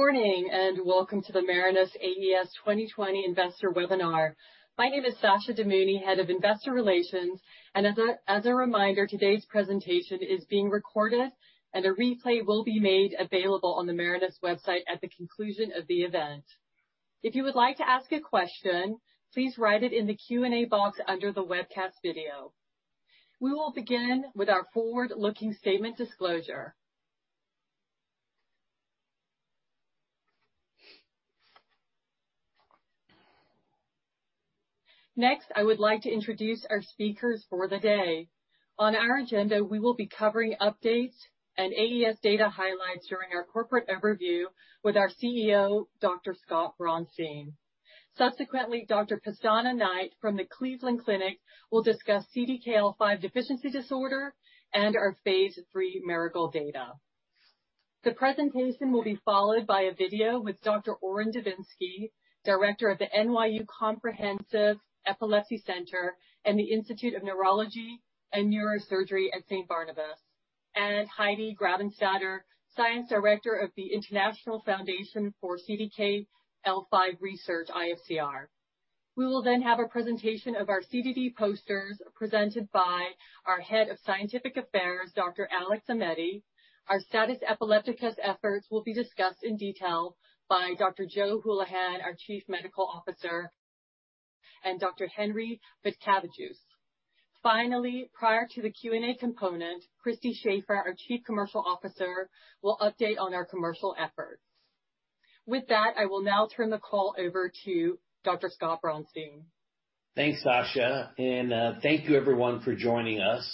Morning, welcome to the Marinus AES 2020 Investor Webinar. My name is Sasha Damouni, Head of Investor Relations. As a reminder, today's presentation is being recorded, and a replay will be made available on the Marinus website at the conclusion of the event. If you would like to ask a question, please write it in the Q&A box under the webcast video. We will begin with our forward-looking statement disclosure. Next, I would like to introduce our speakers for the day. On our agenda, we will be covering updates and AES data highlights during our corporate overview with our CEO, Dr. Scott Braunstein. Subsequently, Dr. Pestana Knight from the Cleveland Clinic will discuss CDKL5 Deficiency Disorder and our phase III Marigold data. The presentation will be followed by a video with Dr. Orrin Devinsky, Director of the NYU Comprehensive Epilepsy Center and the Institute of Neurology and Neurosurgery at St. Barnabas, and Heidi Grabenstatter, Science Director of the International Foundation for CDKL5 Research, IFCR. We will then have a presentation of our CDD posters presented by our Head of Scientific Affairs, Dr. Alex Aimetti. Our status epilepticus efforts will be discussed in detail by Dr. Joe Hulihan, our Chief Medical Officer, and Dr. Henry Vaitkevicius. Finally, prior to the Q&A component, Christy Shafer, our Chief Commercial Officer, will update on our commercial efforts. With that, I will now turn the call over to Dr. Scott Braunstein. Thanks, Sasha, and thank you everyone for joining us.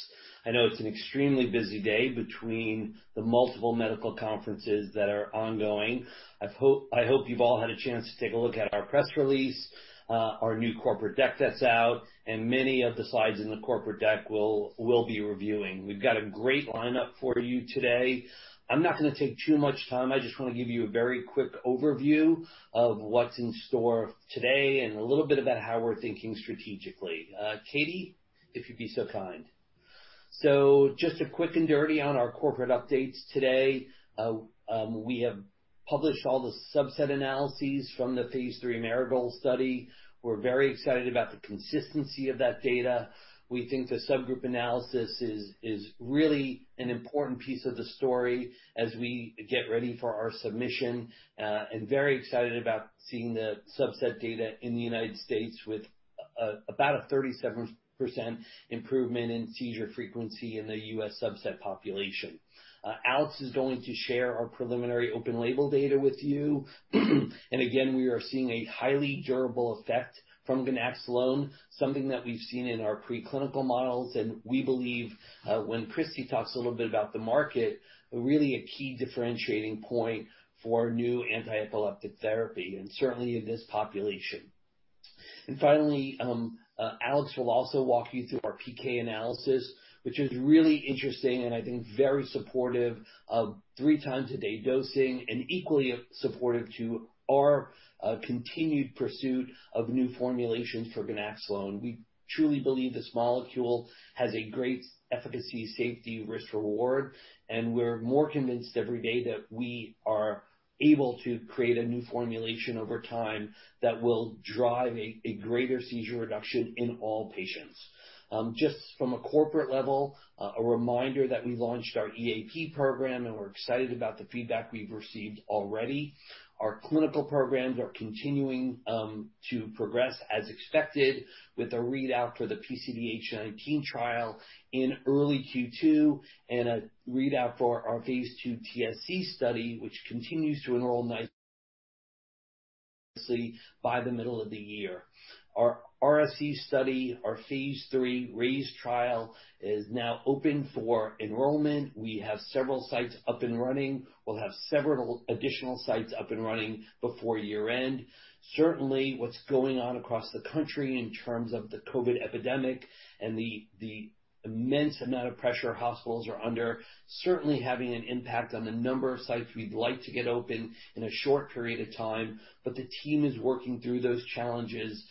I know it's an extremely busy day between the multiple medical conferences that are ongoing. I hope you've all had a chance to take a look at our press release, our new corporate deck that's out, and many of the slides in the corporate deck we'll be reviewing. We've got a great lineup for you today. I'm not going to take too much time. I just want to give you a very quick overview of what's in store today and a little bit about how we're thinking strategically. Katie, if you'd be so kind. Just a quick and dirty on our corporate updates today. We have published all the subset analyses from the phase III Marigold study. We're very excited about the consistency of that data. We think the subgroup analysis is really an important piece of the story as we get ready for our submission. Very excited about seeing the subset data in the U.S. with about a 37% improvement in seizure frequency in the U.S. subset population. Alex is going to share our preliminary open label data with you. Again, we are seeing a highly durable effect from ganaxolone, something that we've seen in our preclinical models, and we believe when Christy talks a little bit about the market, really a key differentiating point for new anti-epileptic therapy, and certainly in this population. Finally, Alex will also walk you through our PK analysis, which is really interesting and I think very supportive of three times a day dosing and equally supportive to our continued pursuit of new formulations for ganaxolone. We truly believe this molecule has a great efficacy, safety, risk-reward, and we're more convinced every day that we are able to create a new formulation over time that will drive a greater seizure reduction in all patients. Just from a corporate level, a reminder that we launched our EAP program, and we're excited about the feedback we've received already. Our clinical programs are continuing to progress as expected with a readout for the PCDH19 trial in early Q2 and a readout for our phase II TSC study, which continues to enroll nicely by the middle of the year. Our [RSC] study, our phase III RAISE trial, is now open for enrollment. We have several sites up and running. We'll have several additional sites up and running before year-end. Certainly, what's going on across the country in terms of the COVID epidemic and the immense amount of pressure hospitals are under, certainly having an impact on the number of sites we'd like to get open in a short period of time. The team is working through those challenges.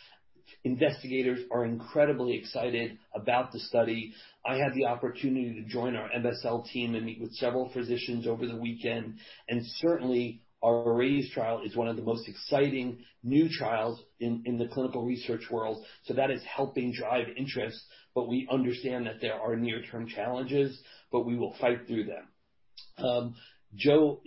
Investigators are incredibly excited about the study. I had the opportunity to join our MSL team and meet with several physicians over the weekend. Certainly, our RAISE trial is one of the most exciting new trials in the clinical research world. That is helping drive interest. We understand that there are near-term challenges. We will fight through them. Joe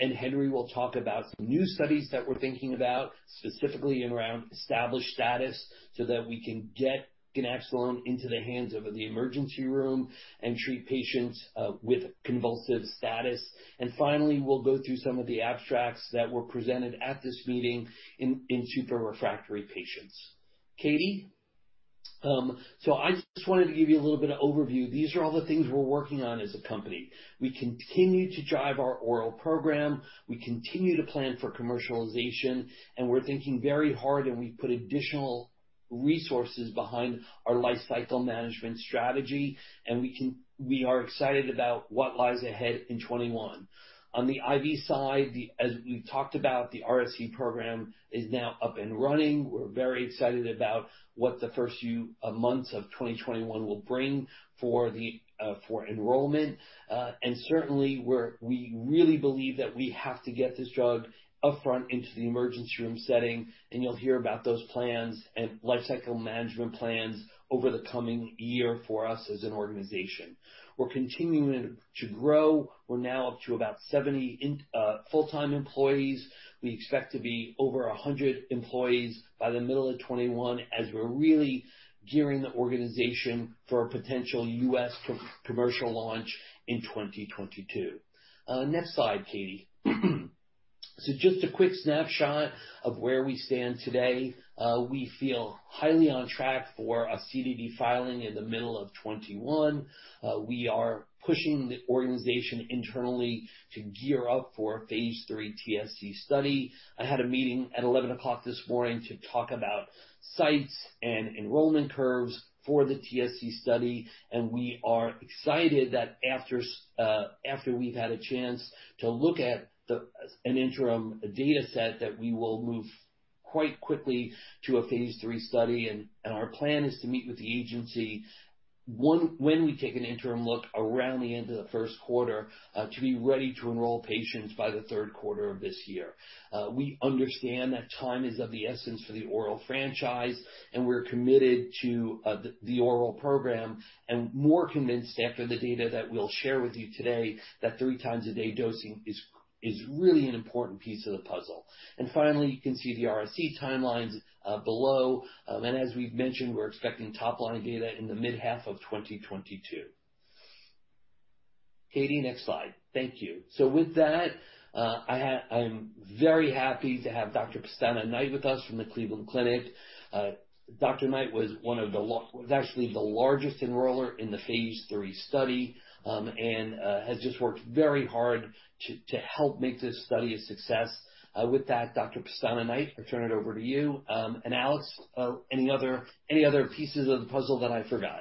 and Henry will talk about some new studies that we're thinking about, specifically around established status, so that we can get ganaxolone into the hands of the emergency room and treat patients with convulsive status. Finally, we'll go through some of the abstracts that were presented at this meeting in super refractory patients. Katie? I just wanted to give you a little bit of overview. These are all the things we're working on as a company. We continue to drive our oral program. We continue to plan for commercialization, we're thinking very hard, and we've put additional resources behind our lifecycle management strategy, and we are excited about what lies ahead in 2021. On the IV side, as we've talked about, the RSC program is now up and running. We're very excited about what the first few months of 2021 will bring for enrollment. Certainly, we really believe that we have to get this drug up front into the emergency room setting, and you'll hear about those plans and lifecycle management plans over the coming year for us as an organization. We're continuing to grow. We're now up to about 70 full-time employees. We expect to be over 100 employees by the middle of 2021 as we're really gearing the organization for a potential U.S. commercial launch in 2022. Next slide, Katie. Just a quick snapshot of where we stand today. We feel highly on track for a CDD filing in the middle of 2021. We are pushing the organization internally to gear up for phase III TSC study. I had a meeting at 11:00 A.M. this morning to talk about sites and enrollment curves for the TSC study, and we are excited that after we've had a chance to look at an interim data set, that we will move quite quickly to a phase III study. Our plan is to meet with the agency, when we take an interim look around the end of the first quarter, to be ready to enroll patients by the third quarter of this year. We understand that time is of the essence for the oral franchise, and we're committed to the oral program and more convinced after the data that we'll share with you today that three times a day dosing is really an important piece of the puzzle. Finally, you can see the RSC timelines below. As we've mentioned, we're expecting top-line data in the mid-half of 2022. Katie, next slide. Thank you. With that, I'm very happy to have Dr. Pestana Knight with us from the Cleveland Clinic. Dr. Knight was actually the largest enroller in the phase III study, and has just worked very hard to help make this study a success. With that, Dr. Pestana Knight, I turn it over to you. Alex, any other pieces of the puzzle that I forgot?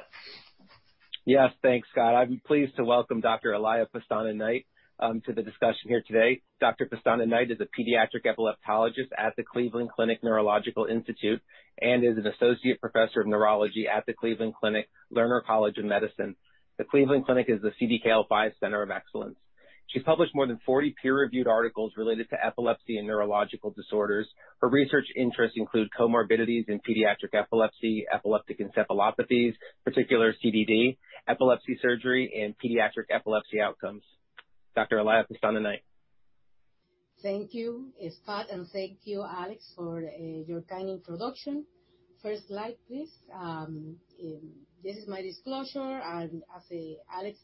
Yes. Thanks, Scott. I'm pleased to welcome Dr. Elia Pestana Knight to the discussion here today. Dr. Pestana Knight is a pediatric epileptologist at the Cleveland Clinic Neurological Institute, and is an associate professor of neurology at the Cleveland Clinic Lerner College of Medicine. The Cleveland Clinic is the CDKL5 Center of Excellence. She's published more than 40 peer-reviewed articles related to epilepsy and neurological disorders. Her research interests include comorbidities in pediatric epilepsy, epileptic encephalopathies, particular CDD, epilepsy surgery, and pediatric epilepsy outcomes. Dr. Elia Pestana Knight. Thank you, Scott, and thank you, Alex, for your kind introduction. First slide, please. This is my disclosure. As Alex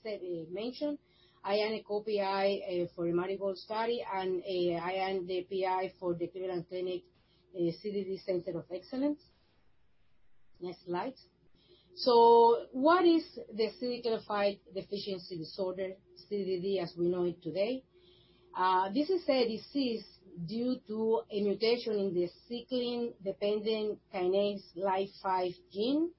mentioned, I am a co-PI for the Marigold study, and I am the PI for the Cleveland Clinic CDD Center of Excellence. Next slide. What is the cyclin-dependent kinase-like 5 deficiency disorder, CDD, as we know it today? This is a disease due to a mutation in the cyclin-dependent kinase-like 5 gene.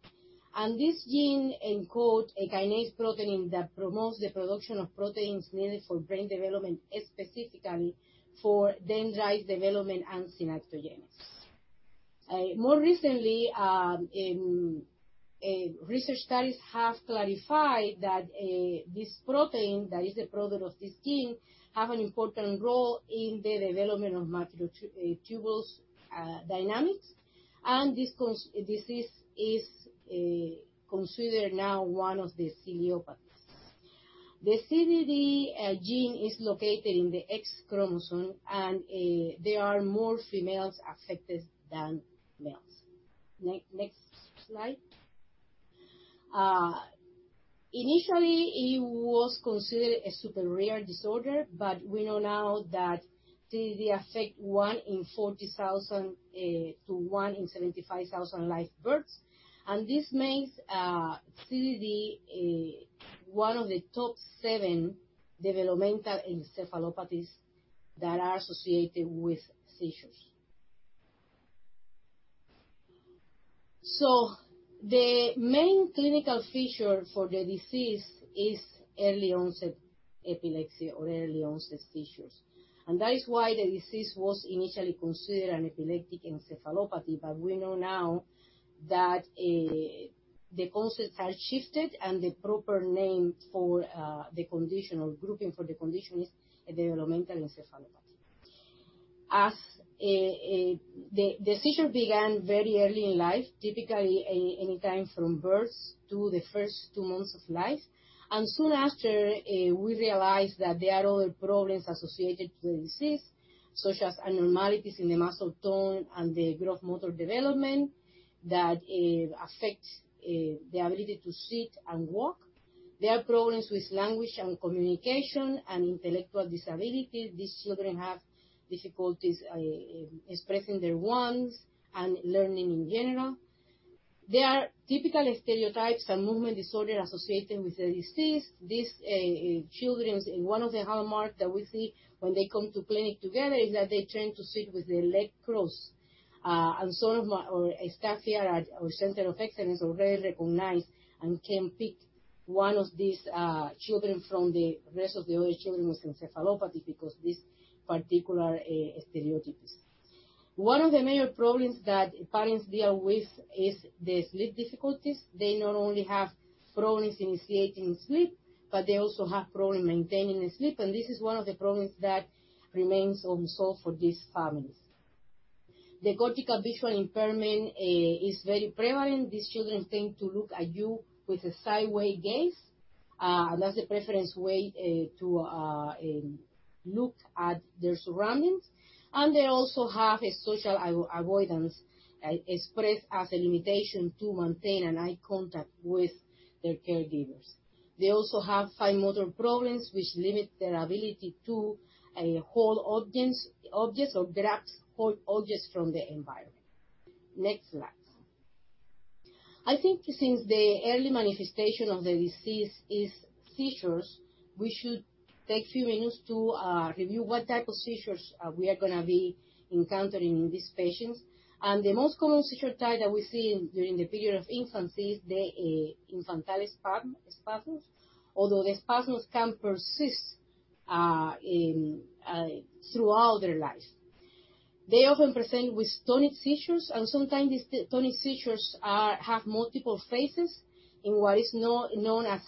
This gene encodes a kinase protein that promotes the production of proteins needed for brain development, specifically for dendrite development and synaptogenesis. More recently, research studies have clarified that this protein, that is the product of this gene, have an important role in the development of microtubule dynamics. This disease is considered now one of the ciliopathies. The CDKL5 gene is located in the X chromosome. There are more females affected than males. Next slide. Initially, it was considered a super rare disorder, we know now that CDD affects one in 40,000 to one in 75,000 live births. This makes CDD one of the top seven developmental encephalopathies that are associated with seizures. The main clinical feature for the disease is early onset epilepsy or early onset seizures, and that is why the disease was initially considered an epileptic encephalopathy. We know now that the concept has shifted and the proper name for the condition or grouping for the condition is a developmental encephalopathy. The seizure began very early in life, typically any time from birth to the first two months of life. Soon after, we realized that there are other problems associated with the disease, such as abnormalities in the muscle tone and the gross motor development that affect the ability to sit and walk. There are problems with language and communication and intellectual disability. These children have difficulties expressing their wants and learning in general. There are typical stereotypies and movement disorders associated with the disease. These children, one of the hallmarks that we see when they come to clinic together is that they tend to sit with their legs crossed. Some of my staff here at our Center of Excellence already recognize and can pick one of these children from the rest of the other children with encephalopathy because of these particular stereotypies. One of the major problems that parents deal with is the sleep difficulties. They not only have problems initiating sleep, but they also have problems maintaining sleep, and this is one of the problems that remains unsolved for these families. The cortical visual impairment is very prevalent. These children tend to look at you with a sideways gaze. That's the preferred way to look at their surroundings. They also have social avoidance, expressed as a limitation to maintain eye contact with their caregivers. They also have fine motor problems, which limit their ability to hold objects or grab objects from the environment. Next slide. I think since the early manifestation of the disease is seizures, we should take a few minutes to review what type of seizures we are going to encounter in these patients. The most common seizure type that we see during the period of infancy is the infantile spasms, although the spasms can persist throughout their life. They often present with tonic seizures, and sometimes these tonic seizures have multiple phases in what is known as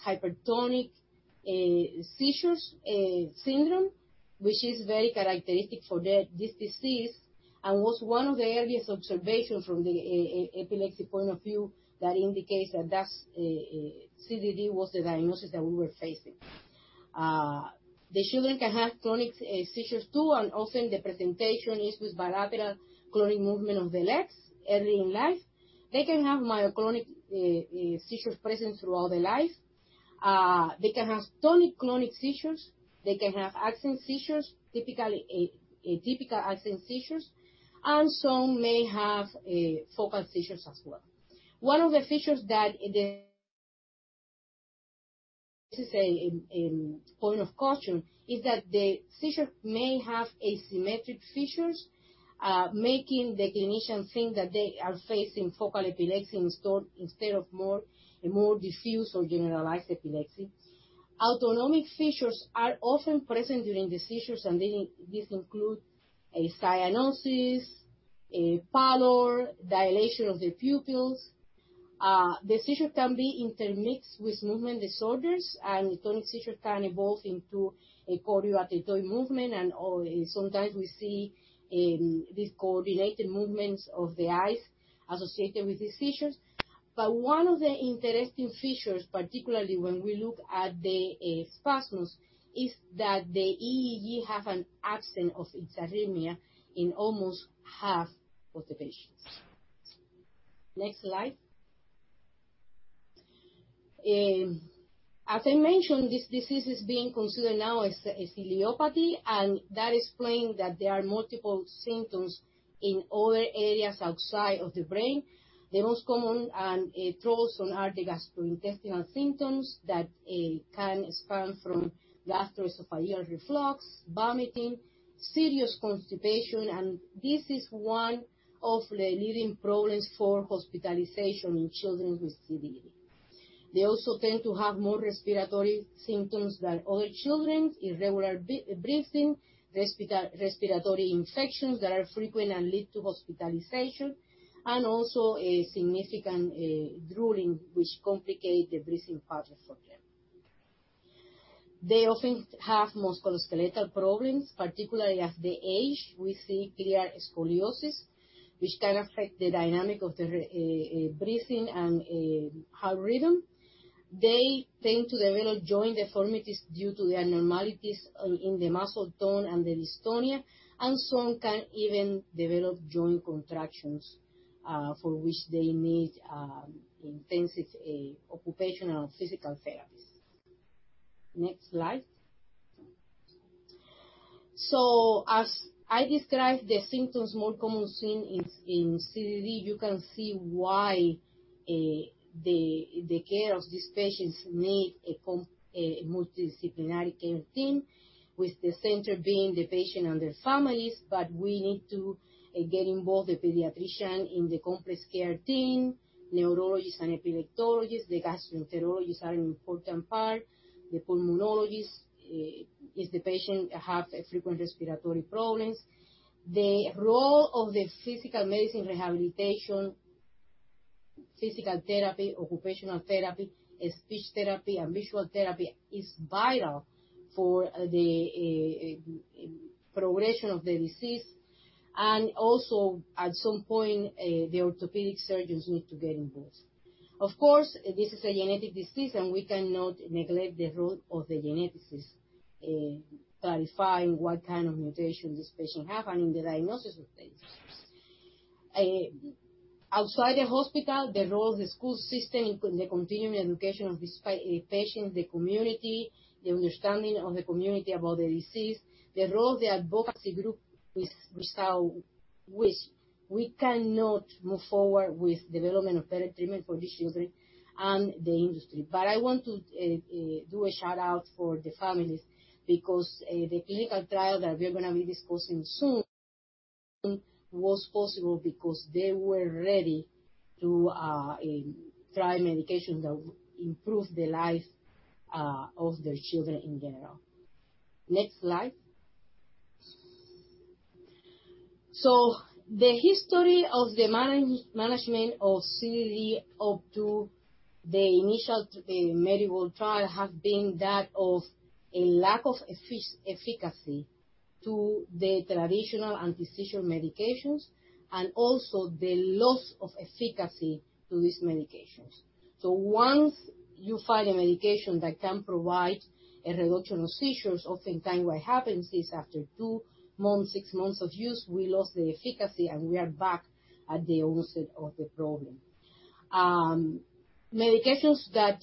hypermotor-tonic-spasms sequence, which is very characteristic for this disease and was one of the earliest observations from the epileptic point of view that indicated that CDD was the diagnosis that we were facing. The children can have clonic seizures too, and often the presentation is with bilateral clonic movement of the legs early in life. They can have myoclonic seizures present throughout their life. They can have tonic-clonic seizures. They can have absence seizures, typically atypical absence seizures, and some may have focal seizures as well. One of the seizures that, to say in point of caution, is that the seizures may have asymmetric seizures, making the clinician think that they are facing focal epilepsy instead of more diffuse or generalized epilepsy. Autonomic seizures are often present during the seizures. These include cyanosis, pallor, dilation of the pupils. The seizure can be intermixed with movement disorders. Tonic seizures can evolve into a choreoathetotic movement. Sometimes we see these coordinated movements of the eyes associated with these seizures. One of the interesting features, particularly when we look at the spasms, is that the EEG has an absence of hypsarrhythmia in almost half of the patients. Next slide. As I mentioned, this disease is being considered now as a ciliopathy. That explains that there are multiple symptoms in other areas outside of the brain. The most common and troublesome are the gastrointestinal symptoms that can expand from gastroesophageal reflux, vomiting, serious constipation. This is one of the leading problems for hospitalization in children with CDD. They also tend to have more respiratory symptoms than other children, irregular breathing, respiratory infections that are frequent and lead to hospitalization, and also significant drooling, which complicates the breathing process for them. They often have musculoskeletal problems, particularly as they age. We see clear scoliosis, which can affect the dynamic of their breathing and heart rhythm. They tend to develop joint deformities due to the abnormalities in the muscle tone and the dystonia, and some can even develop joint contractions, for which they need intensive occupational and physical therapy. Next slide. As I described, the symptoms more commonly seen in CDD, you can see why the care of these patients need a multidisciplinary care team with the center being the patient and their families. We need to get involved the pediatrician in the complex care team, neurologists and epileptologists, the gastroenterologists are an important part, the pulmonologist, if the patient has frequent respiratory problems. The role of the physical medicine rehabilitation, physical therapy, occupational therapy, speech therapy, and visual therapy is vital for the progression of the disease. Also, at some point, the orthopedic surgeons need to get involved. Of course, this is a genetic disease, and we cannot neglect the role of the geneticist clarifying what kind of mutation this patient has and in the diagnosis of the disease. Outside the hospital, the role of the school system in the continuing education of these patients, the community, the understanding of the community about the disease, the role of the advocacy group with CDKL5 cannot move forward with development of better treatment for these children and the industry. I want to do a shout-out for the families, because the clinical trial that we're going to be discussing soon was possible because they were ready to try medication that improve the life of their children in general. Next slide. The history of the management of CDD up to the initial medical trial has been that of a lack of efficacy to the traditional antiseizure medications, and also the loss of efficacy to these medications. Once you find a medication that can provide a reduction of seizures, often time what happens is after two months, six months of use, we lost the efficacy, and we are back at the onset of the problem. Medications that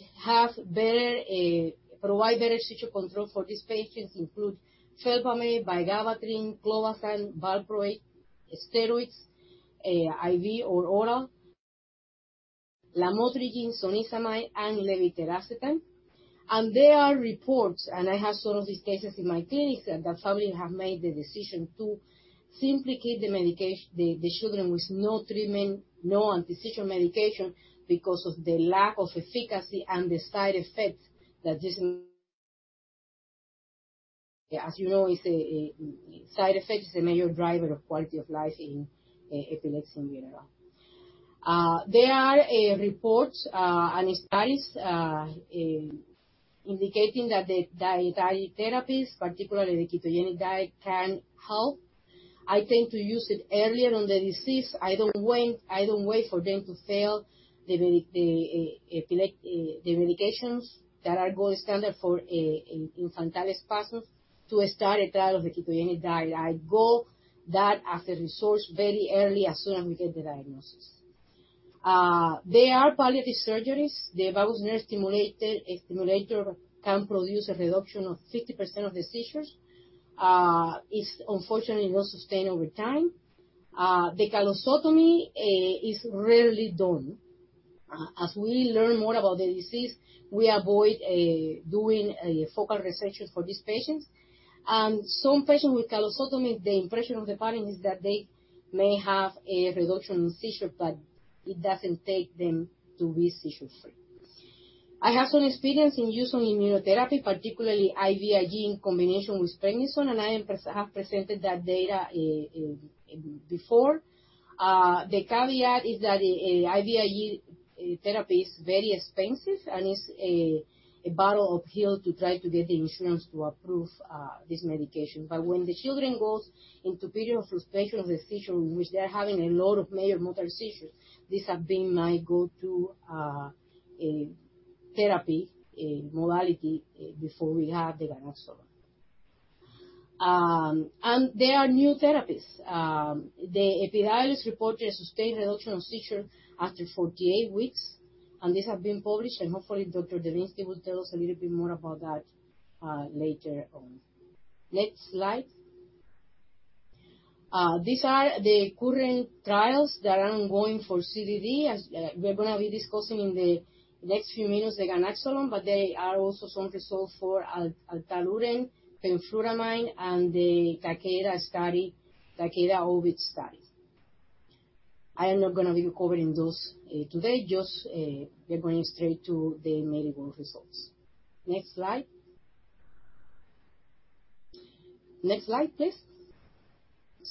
provide better seizure control for these patients include felbamate, vigabatrin, clobazam, valproate, steroids, IV or oral, lamotrigine, zonisamide, and levetiracetam. There are reports, and I have some of these cases in my clinic, that families have made the decision to simply keep the children with no treatment, no antiseizure medication, because of the lack of efficacy and the side effects. As you know, side effects is the major driver of quality of life in epilepsy in general. There are reports and studies indicating that the dietary therapies, particularly the ketogenic diet, can help. I think to use it earlier on the disease, either wait for them to fail the medications that are gold standard for infantile spasms to start a trial of the [ketogenic diet]. I go that as a resource very early, as soon as we get the diagnosis. There are palliative surgeries. The vagus nerve stimulator can produce a reduction of 50% of the seizures. It's unfortunately not sustained over time. The callosotomy is rarely done. As we learn more about the disease, we avoid doing a focal resection for these patients. Some patients with callosotomy, the impression of the parent is that they may have a reduction in seizure, but it doesn't take them to be seizure free. I have some experience in using immunotherapy, particularly IVIG in combination with prednisone, and I have presented that data before. The caveat is that IVIG therapy is very expensive and it's a battle uphill to try to get the insurance to approve this medication. When the children goes into period of frustration of the seizure in which they're having a lot of major motor seizures, this have been my go-to therapy, modality, before we have the ganaxolone. There are new therapies. Epidiolex has reported a sustained reduction of seizure after 48 weeks. This has been published, hopefully Dr. Devinsky will tell us a little bit more about that later on. Next slide. These are the current trials that are ongoing for CDD, as we're going to be discussing in the next few minutes the ganaxolone. There are also some results for ataluren, fenfluramine, and the Takeda Ovid study. I am not going to be covering those today, just we're going straight to the Marigold results. Next slide. Next slide, please.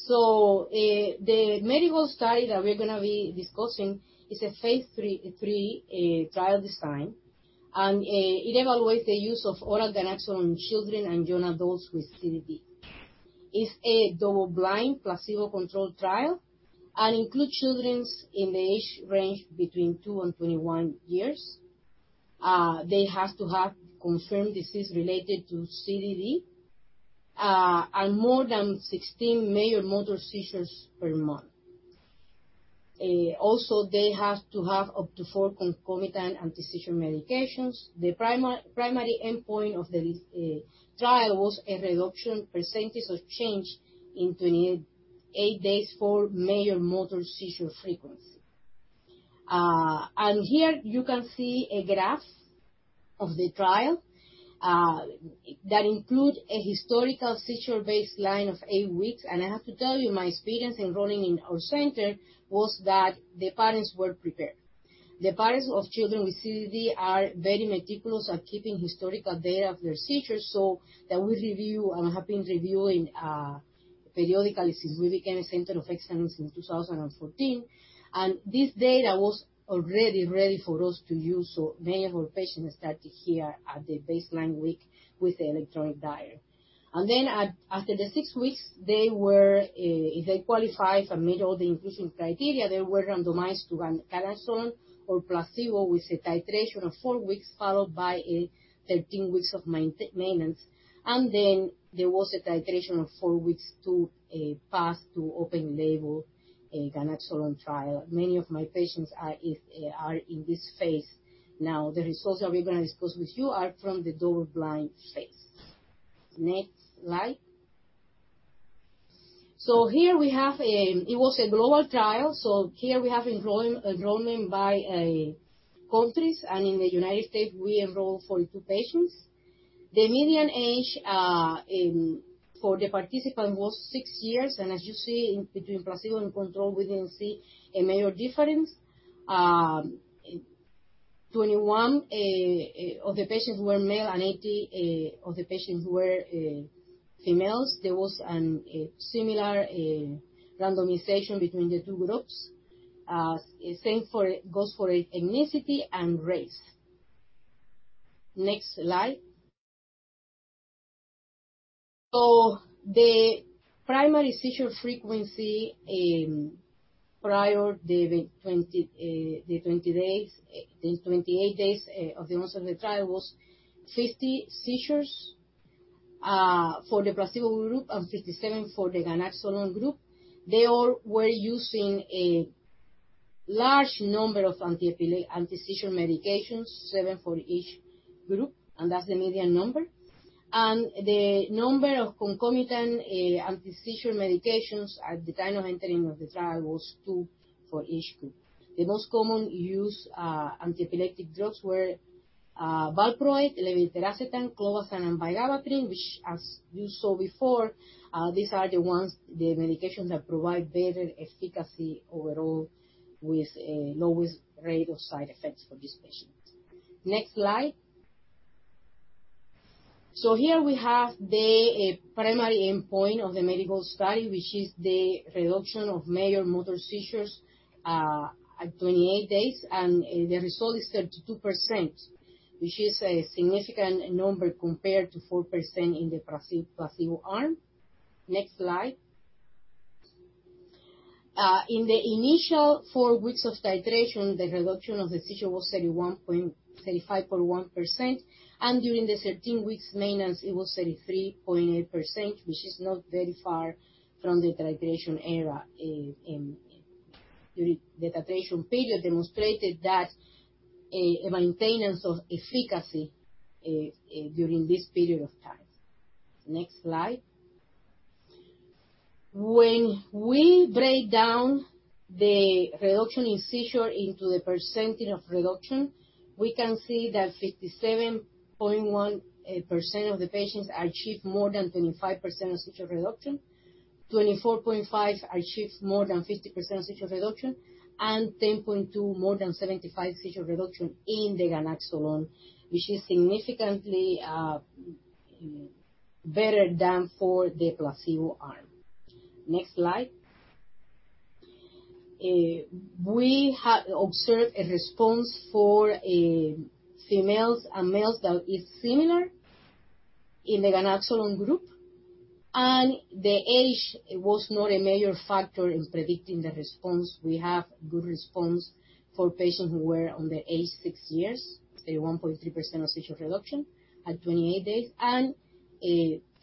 The Marigold study that we're going to be discussing is a phase III trial design. It evaluate the use of oral ganaxolone in children and young adults with CDD. It's a double-blind, placebo-controlled trial and include children in the age range between two and 21 years. They have to have confirmed disease related to CDD and more than 16 major motor seizures per month. They have to have up to four concomitant antiseizure medications. The primary endpoint of the trial was a reduction percentage of change in 28 days for major motor seizure frequency. Here you can see a graph of the trial that include a historical seizure baseline of eight weeks. I have to tell you, my experience enrolling in our center was that the parents were prepared. The parents of children with CDD are very meticulous at keeping historical data of their seizures. That we review, and have been reviewing periodically since we became a center of excellence in 2014. This data was already ready for us to use, many of our patients started here at the baseline week with the electronic diary. After the six weeks, if they qualify for meet all the inclusion criteria, they were randomized to ganaxolone or placebo with a titration of four weeks, followed by 13 weeks of maintenance. There was a titration of four weeks to a path to open label ganaxolone trial. Many of my patients are in this phase now. The results that we're going to discuss with you are from the double-blind phase. Next slide. Here we have a global trial. Here we have enrollment by countries, and in the U.S., we enrolled [42] patients. The median age for the participant was six years. As you see, between placebo and control, we didn't see a major difference. 21 of the patients were male, and 18 of the patients were females. There was a similar randomization between the two groups. Same goes for ethnicity and race. Next slide. The primary seizure frequency prior to the 28 days of the onset of the trial was 50 seizures for the placebo group and 57 for the ganaxolone group. They all were using a large number of anti-seizure medications, seven for each group, and that's the median number. The number of concomitant anti-seizure medications at the time of entering of the trial was two for each group. The most common used anti-epileptic drugs were valproate, levetiracetam, clobazam, and vigabatrin, which as you saw before, these are the ones, the medications that provide better efficacy overall with the lowest rate of side effects for these patients. Next slide. Here we have the primary endpoint of the Marigold study, which is the reduction of major motor seizures at 28 days. The result is 32%, which is a significant number compared to 4% in the placebo arm. Next slide. In the initial four weeks of titration, the reduction of the seizure was 35.1%, and during the 13 weeks maintenance, it was 33.8%, which is not very far from the titration era. The titration period demonstrated that a maintenance of efficacy during this period of time. Next slide. When we break down the reduction in seizure into the percentage of reduction, we can see that 57.1% of the patients achieved more than 25% of seizure reduction, 24.5% achieved more than 50% of seizure reduction, and 10.2% more than 75% seizure reduction in the ganaxolone, which is significantly better than for the placebo arm. Next slide. We observed a response for females and males that is similar in the ganaxolone group, and the age was not a major factor in predicting the response. We have good response for patients who were under age six years, 31.3% of seizure reduction at 28 days, and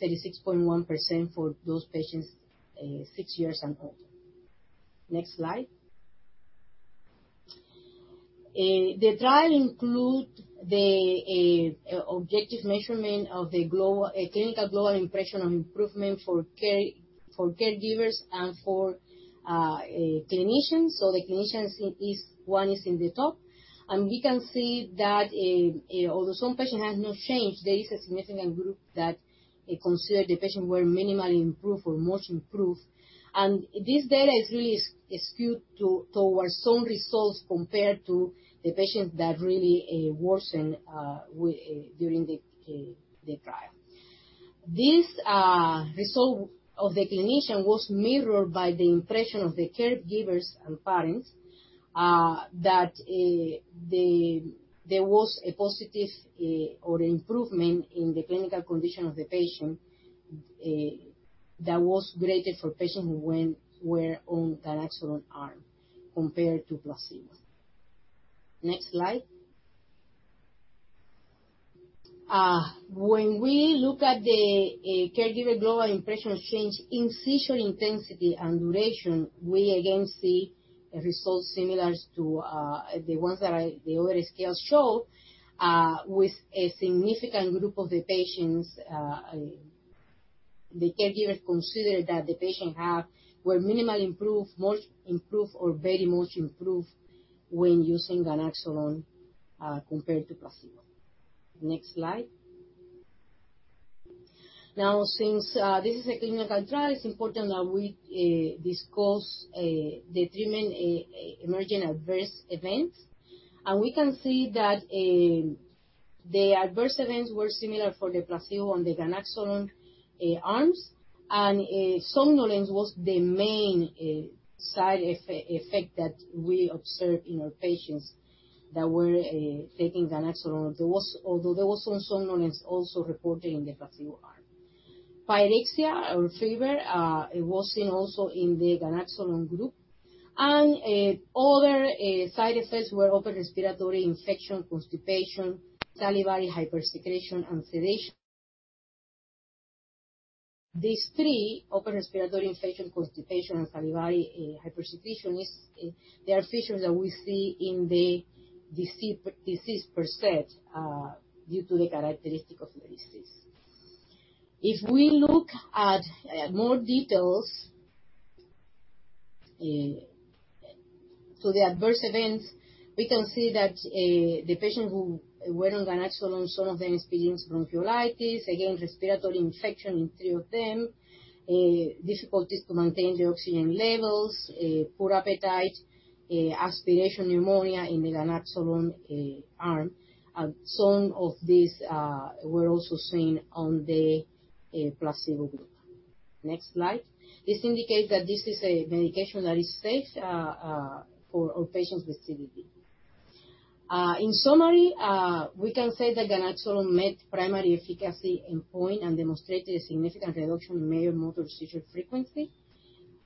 36.1% for those patients six years and older. Next slide. The trial include the objective measurement of the clinical global impression on improvement for caregivers and for clinicians. The clinicians, one is in the top. We can see that although some patients had no change, there is a significant group that considered the patient were minimally improved or much improved. This data is really skewed towards some results compared to the patients that really worsened during the trial. This result of the clinician was mirrored by the impression of the caregivers and parents that there was a positive or improvement in the clinical condition of the patient that was graded for patients who were on ganaxolone arm compared to placebo. Next slide. When we look at the caregiver global impression of change in seizure intensity and duration, we again see results similar to the ones that the other scales show with a significant group of the patients. The caregiver considered that the patient were minimally improved, much improved, or very much improved when using ganaxolone compared to placebo. Next slide. Since this is a clinical trial, it is important that we discuss the treatment emerging adverse events. We can see that the adverse events were similar for the placebo and the ganaxolone arms. Somnolence was the main side effect that we observed in our patients that were taking ganaxolone, although there was some somnolence also reported in the placebo arm. Pyrexia or fever was seen also in the ganaxolone group. Other side effects were upper respiratory infection, constipation, salivary hypersecretion, and sedation. These three, upper respiratory infection, constipation, and salivary hypersecretion, they are features that we see in the disease per se due to the characteristic of the disease. If we look at more details to the adverse events, we can see that the patients who were on ganaxolone, some of them experienced bronchiolitis, again, respiratory infection in three of them, difficulties to maintain the oxygen levels, poor appetite, aspiration pneumonia in the ganaxolone arm. Some of these were also seen on the placebo group. Next slide. This indicates that this is a medication that is safe for patients with CDD. In summary, we can say that ganaxolone met primary efficacy endpoint and demonstrated a significant reduction in major motor seizure frequency.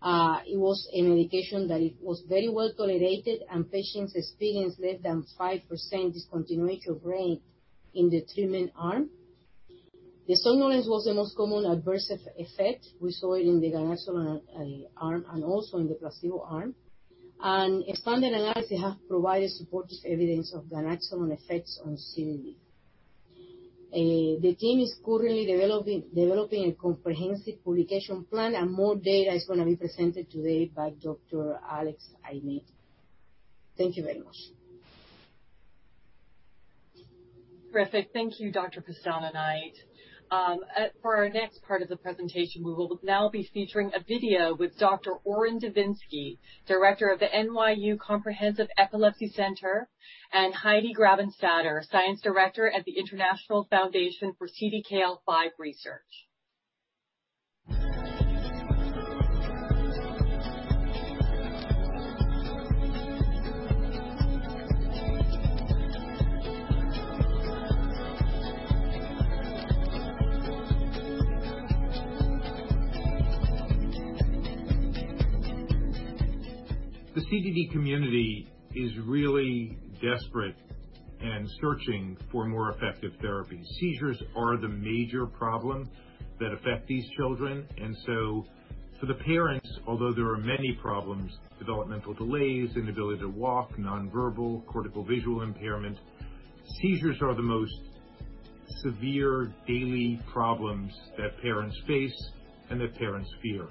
It was a medication that it was very well-tolerated. Patients experienced less than 5% discontinuation rate in the treatment arm. The somnolence was the most common adverse effect. We saw it in the ganaxolone arm and also in the placebo arm. Expanded analysis have provided supportive evidence of ganaxolone effects on CDD. The team is currently developing a comprehensive publication plan, and more data is going to be presented today by Dr. Alex Aimetti. Thank you very much. Terrific. Thank you, Dr. Pestana Knight. For our next part of the presentation, we will now be featuring a video with Dr. Orrin Devinsky, Director of the NYU Comprehensive Epilepsy Center, and Heidi Grabenstatter, Science Director at the International Foundation for CDKL5 Research. The CDD community is really desperate and searching for more effective therapies. Seizures are the major problem that affect these children. For the parents, although there are many problems, developmental delays, inability to walk, non-verbal, cortical visual impairment, seizures are the most severe daily problems that parents face and that parents fear.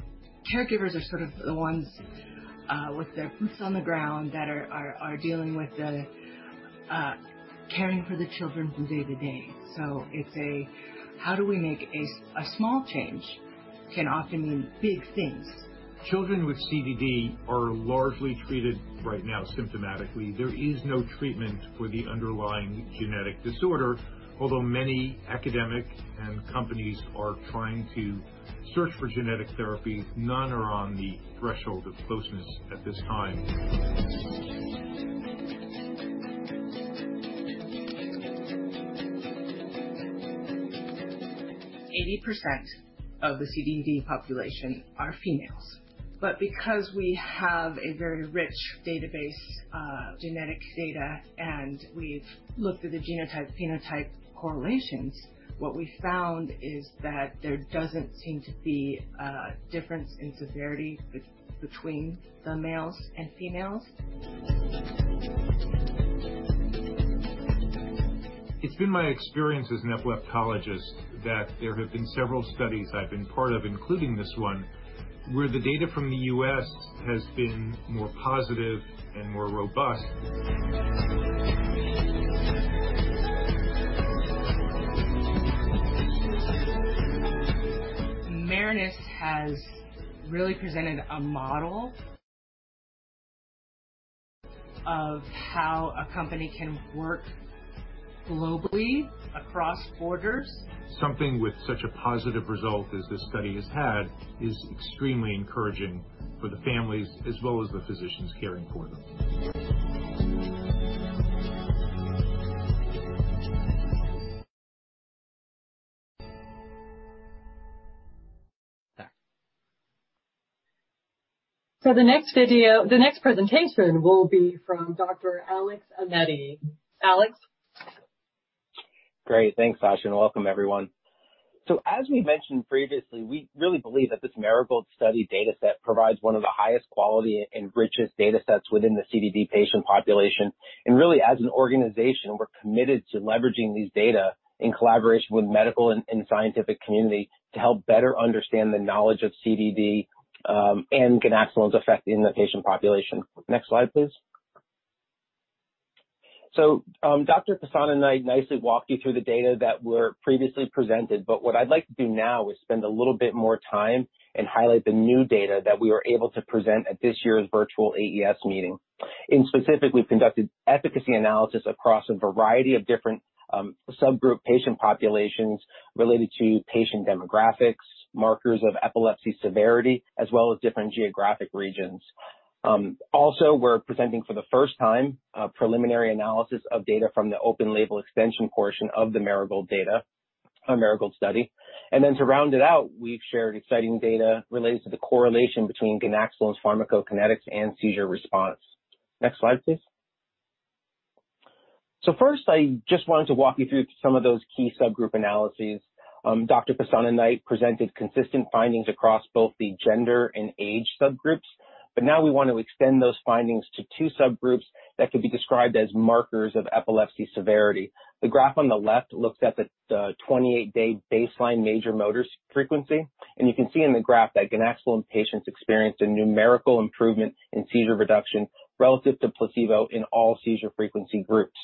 Caregivers are sort of the ones with their boots on the ground that are dealing with the caring for the children from day to day. It's a how do we make a small change can often mean big things. Children with CDD are largely treated right now symptomatically. There is no treatment for the underlying genetic disorder. Many academic and companies are trying to search for genetic therapy, none are on the threshold of closeness at this time. 80% of the CDD population are females. Because we have a very rich database of genetic data, and we've looked at the genotype-phenotype correlations, what we found is that there doesn't seem to be a difference in severity between the males and females. It's been my experience as an epileptologist that there have been several studies I've been part of, including this one, where the data from the U.S. has been more positive and more robust. Marinus has really presented a model of how a company can work globally across borders. Something with such a positive result as this study has had is extremely encouraging for the families as well as the physicians caring for them. The next presentation will be from Dr. Alex Aimetti. Alex? Great. Thanks, Sasha. Welcome, everyone. As we mentioned previously, we really believe that this Marigold study data set provides one of the highest quality and richest data sets within the CDD patient population, and really, as an organization, we're committed to leveraging these data in collaboration with medical and scientific community to help better understand the knowledge of CDD, and ganaxolone's effect in the patient population. Next slide, please. Dr. Pestana Knight nicely walked you through the data that were previously presented. What I'd like to do now is spend a little bit more time and highlight the new data that we were able to present at this year's virtual AES meeting. In specific, we've conducted efficacy analysis across a variety of different subgroup patient populations related to patient demographics, markers of epilepsy severity, as well as different geographic regions. We're presenting for the first time a preliminary analysis of data from the open label extension portion of the Marigold study. To round it out, we've shared exciting data related to the correlation between ganaxolone's pharmacokinetics and seizure response. Next slide, please. First, I just wanted to walk you through some of those key subgroup analyses. Dr. Pestana Knight presented consistent findings across both the gender and age subgroups, now we want to extend those findings to two subgroups that could be described as markers of epilepsy severity. The graph on the left looks at the 28-day baseline major motor frequency, you can see in the graph that ganaxolone patients experienced a numerical improvement in seizure reduction relative to placebo in all seizure frequency groups.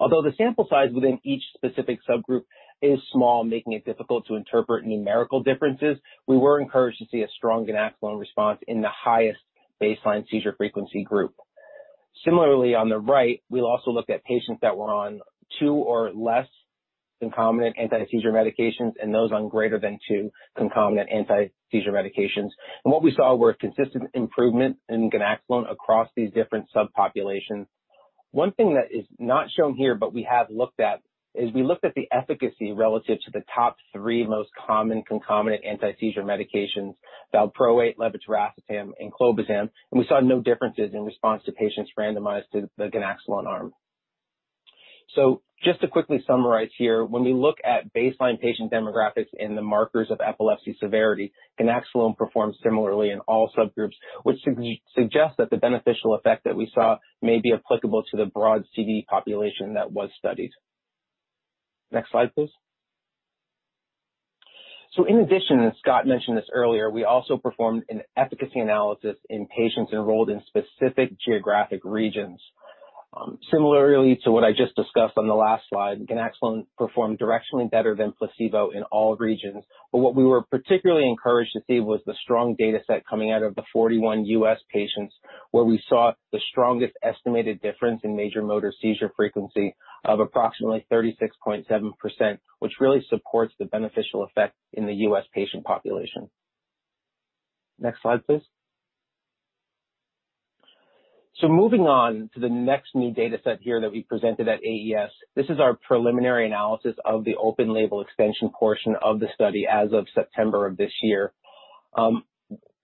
Although the sample size within each specific subgroup is small, making it difficult to interpret numerical differences, we were encouraged to see a strong ganaxolone response in the highest baseline seizure frequency group. Similarly, on the right, we also looked at patients that were on two or less concomitant anti-seizure medications and those on greater than two concomitant anti-seizure medications. What we saw were consistent improvement in ganaxolone across these different subpopulations. One thing that is not shown here, but we have looked at, is we looked at the efficacy relative to the top three most common concomitant anti-seizure medications, valproate, levetiracetam, and clobazam, and we saw no differences in response to patients randomized to the ganaxolone arm. Just to quickly summarize here, when we look at baseline patient demographics in the markers of epilepsy severity, ganaxolone performed similarly in all subgroups, which suggests that the beneficial effect that we saw may be applicable to the broad CDD population that was studied. Next slide, please. In addition, and Scott mentioned this earlier, we also performed an efficacy analysis in patients enrolled in specific geographic regions. Similarly to what I just discussed on the last slide, ganaxolone performed directionally better than placebo in all regions. What we were particularly encouraged to see was the strong data set coming out of the 41 U.S. patients, where we saw the strongest estimated difference in major motor seizure frequency of approximately 36.7%, which really supports the beneficial effect in the U.S. patient population. Next slide, please. Moving on to the next new data set here that we presented at AES. This is our preliminary analysis of the open-label extension portion of the study as of September of this year.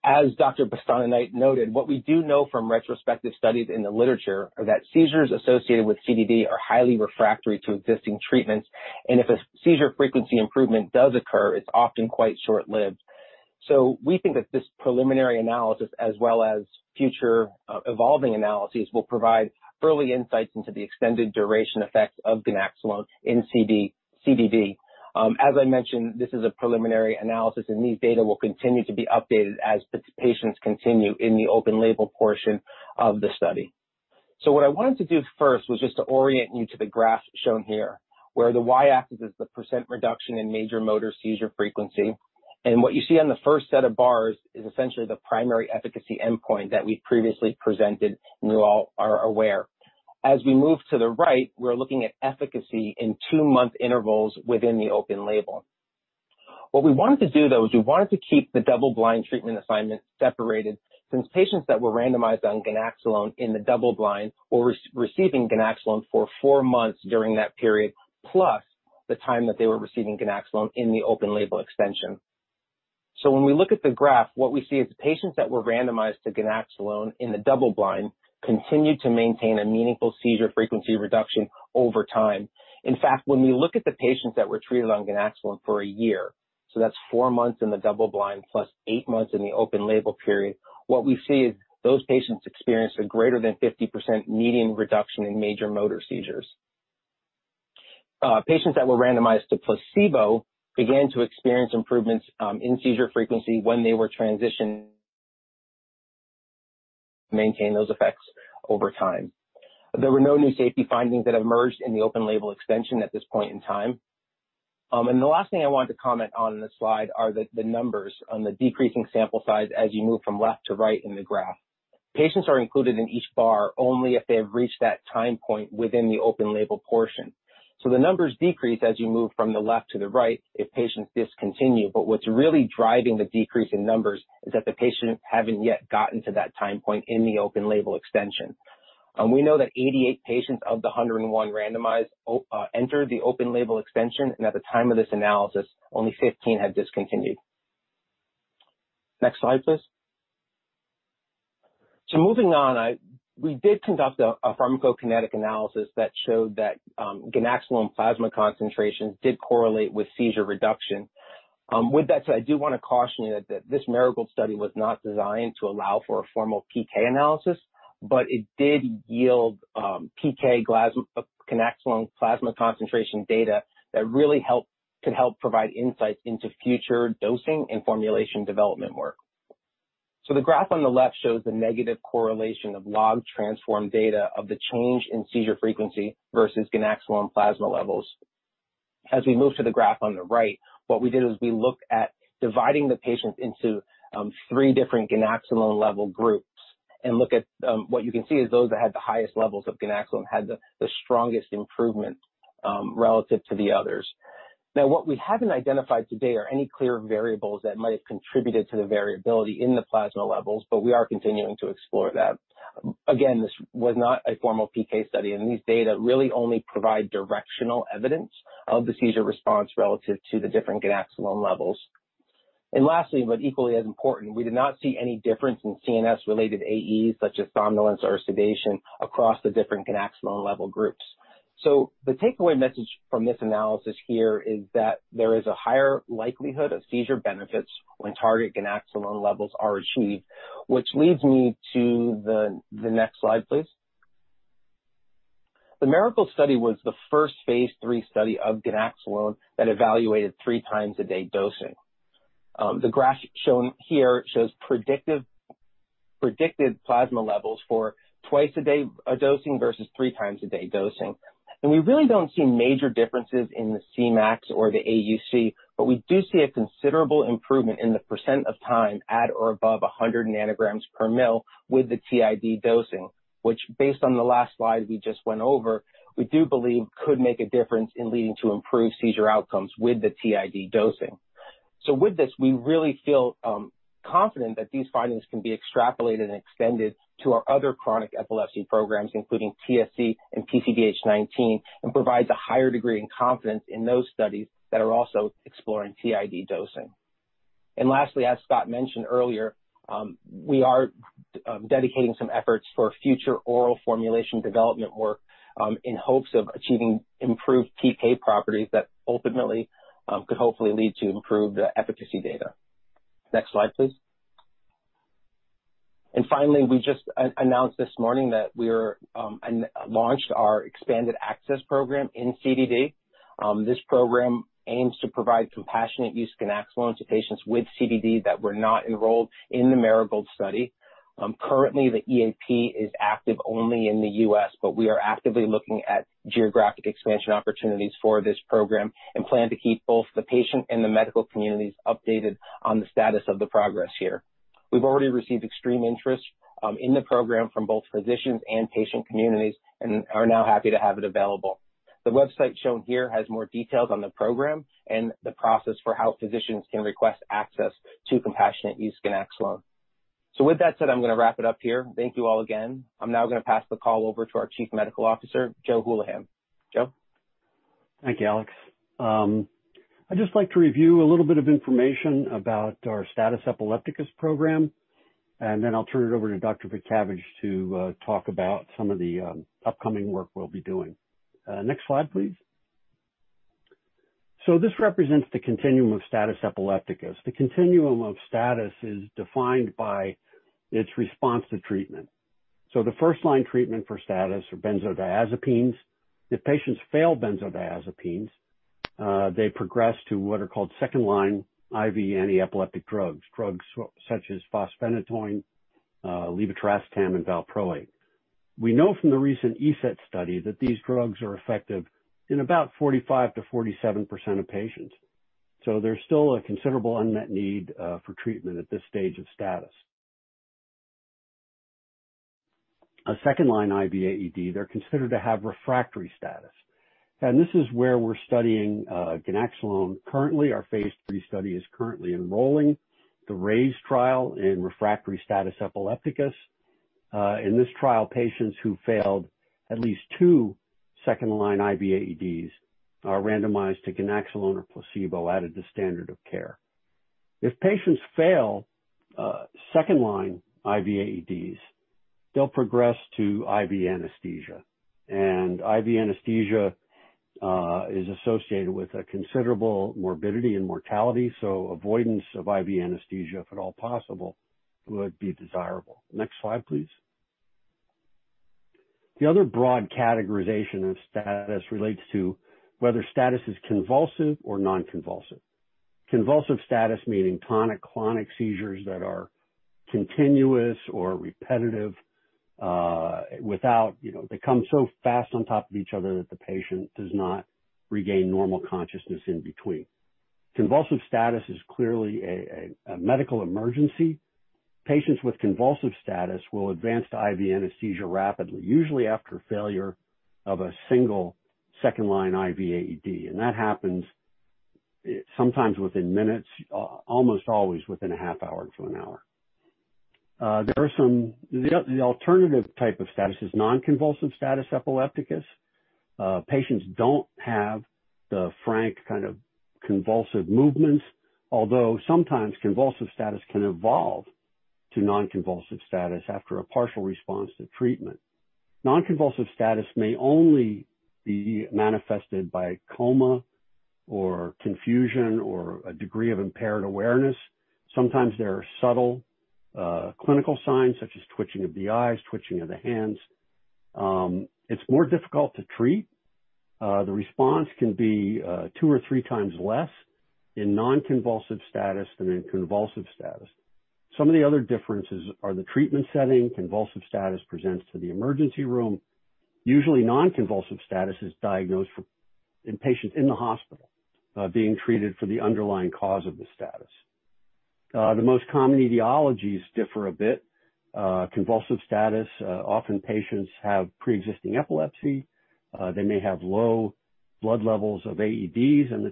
As Dr. Pestana Knight noted, what we do know from retrospective studies in the literature are that seizures associated with CDD are highly refractory to existing treatments, and if a seizure frequency improvement does occur, it's often quite short-lived. We think that this preliminary analysis, as well as future evolving analyses, will provide early insights into the extended duration effects of ganaxolone in CDD. As I mentioned, this is a preliminary analysis, and these data will continue to be updated as the patients continue in the open-label portion of the study. What I wanted to do first was just to orient you to the graph shown here, where the Y-axis is the percent reduction in major motor seizure frequency. What you see on the first set of bars is essentially the primary efficacy endpoint that we've previously presented, and you all are aware. As we move to the right, we're looking at efficacy in two-month intervals within the open label. What we wanted to do, though, is we wanted to keep the double-blind treatment assignment separated since patients that were randomized on ganaxolone in the double-blind were receiving ganaxolone for four months during that period, plus the time that they were receiving ganaxolone in the open label extension. When we look at the graph, what we see is patients that were randomized to ganaxolone in the double-blind continued to maintain a meaningful seizure frequency reduction over time. In fact, when we look at the patients that were treated on ganaxolone for one year, so that's four months in the double-blind plus eight months in the open label period, what we see is those patients experienced a greater than 50% median reduction in major motor seizures. Patients that were randomized to placebo began to experience improvements in seizure frequency when they were transitioned, maintain those effects over time. There were no new safety findings that emerged in the open label extension at this point in time. The last thing I wanted to comment on in this slide are the numbers on the decreasing sample size as you move from left to right in the graph. Patients are included in each bar only if they have reached that time point within the open label portion. The numbers decrease as you move from the left to the right if patients discontinue. What's really driving the decrease in numbers is that the patients haven't yet gotten to that time point in the open label extension. We know that 88 patients of the 101 randomized entered the open label extension, and at the time of this analysis, only 15 had discontinued. Next slide, please. Moving on. We did conduct a pharmacokinetic analysis that showed that ganaxolone plasma concentrations did correlate with seizure reduction. With that said, I do want to caution you that this Marigold study was not designed to allow for a formal PK analysis, but it did yield PK ganaxolone plasma concentration data that really could help provide insights into future dosing and formulation development work. The graph on the left shows the negative correlation of log-transformed data of the change in seizure frequency versus ganaxolone plasma levels. As we move to the graph on the right, what we did is we looked at dividing the patients into three different ganaxolone level groups and what you can see is those that had the highest levels of ganaxolone had the strongest improvement relative to the others. Now, what we haven't identified to date are any clear variables that might have contributed to the variability in the plasma levels, but we are continuing to explore that. Again, this was not a formal PK study, and these data really only provide directional evidence of the seizure response relative to the different ganaxolone levels. Lastly, but equally as important, we did not see any difference in CNS-related AEs, such as somnolence or sedation, across the different ganaxolone level groups. The takeaway message from this analysis here is that there is a higher likelihood of seizure benefits when target ganaxolone levels are achieved, which leads me to the next slide, please. The Marigold study was the first phase III study of ganaxolone that evaluated three times a day dosing. The graph shown here shows predicted plasma levels for twice a day dosing versus three times a day dosing. We really don't see major differences in the Cmax or the AUC, but we do see a considerable improvement in the percent of time at or above 100 ng/mL with the TID dosing. Which, based on the last slide we just went over, we do believe could make a difference in leading to improved seizure outcomes with the TID dosing. With this, we really feel confident that these findings can be extrapolated and extended to our other chronic epilepsy programs, including TSC and PCDH19, and provides a higher degree in confidence in those studies that are also exploring TID dosing. Lastly, as Scott mentioned earlier, we are dedicating some efforts for future oral formulation development work in hopes of achieving improved PK properties that ultimately could hopefully lead to improved efficacy data. Next slide, please. Finally, we just announced this morning that we launched our expanded access program in CDD. This program aims to provide compassionate use ganaxolone to patients with CDD that were not enrolled in the Marigold study. Currently, the EAP is active only in the U.S., but we are actively looking at geographic expansion opportunities for this program and plan to keep both the patient and the medical communities updated on the status of the progress here. We've already received extreme interest in the program from both physicians and patient communities and are now happy to have it available. The website shown here has more details on the program and the process for how physicians can request access to compassionate use ganaxolone. With that said, I'm going to wrap it up here. Thank you all again. I'm now going to pass the call over to our Chief Medical Officer, Joe Hulihan. Joe? Thank you, Alex. I'd just like to review a little bit of information about our status epilepticus program, and then I'll turn it over to Dr. Vaitkevicius to talk about some of the upcoming work we'll be doing. Next slide, please. This represents the continuum of status epilepticus. The continuum of status is defined by its response to treatment. The first-line treatment for status are benzodiazepines. If patients fail benzodiazepines, they progress to what are called second-line IV antiepileptic drugs such as fosphenytoin, levetiracetam, and valproate. We know from the recent ESETT study that these drugs are effective in about 45%-47% of patients. There's still a considerable unmet need for treatment at this stage of status. A second-line IV AED, they're considered to have refractory status. This is where we're studying ganaxolone. Currently, our phase III study is currently enrolling the RAISE trial in refractory status epilepticus. In this trial, patients who failed at least two second-line IV AEDs are randomized to ganaxolone or placebo added to standard of care. If patients fail second-line IV AEDs, they'll progress to IV anesthesia, and IV anesthesia is associated with a considerable morbidity and mortality, so avoidance of IV anesthesia, if at all possible, would be desirable. Next slide, please. The other broad categorization of status relates to whether status is convulsive or non-convulsive. Convulsive status meaning tonic-clonic seizures that are continuous or repetitive, they come so fast on top of each other that the patient does not regain normal consciousness in between. Convulsive status is clearly a medical emergency. Patients with convulsive status will advance to IV anesthesia rapidly, usually after failure of a single second-line IV AED, and that happens sometimes within minutes, almost always within a half hour to an hour. The alternative type of status is non-convulsive status epilepticus. Patients don't have the frank kind of convulsive movements, although sometimes convulsive status can evolve to non-convulsive status after a partial response to treatment. Non-convulsive status may only be manifested by coma or confusion or a degree of impaired awareness. Sometimes there are subtle clinical signs, such as twitching of the eyes, twitching of the hands. It's more difficult to treat. The response can be two or three times less in non-convulsive status than in convulsive status. Some of the other differences are the treatment setting. Convulsive status presents to the emergency room. Usually, non-convulsive status is diagnosed in patients in the hospital, being treated for the underlying cause of the status. The most common etiologies differ a bit. Convulsive status, often patients have preexisting epilepsy. The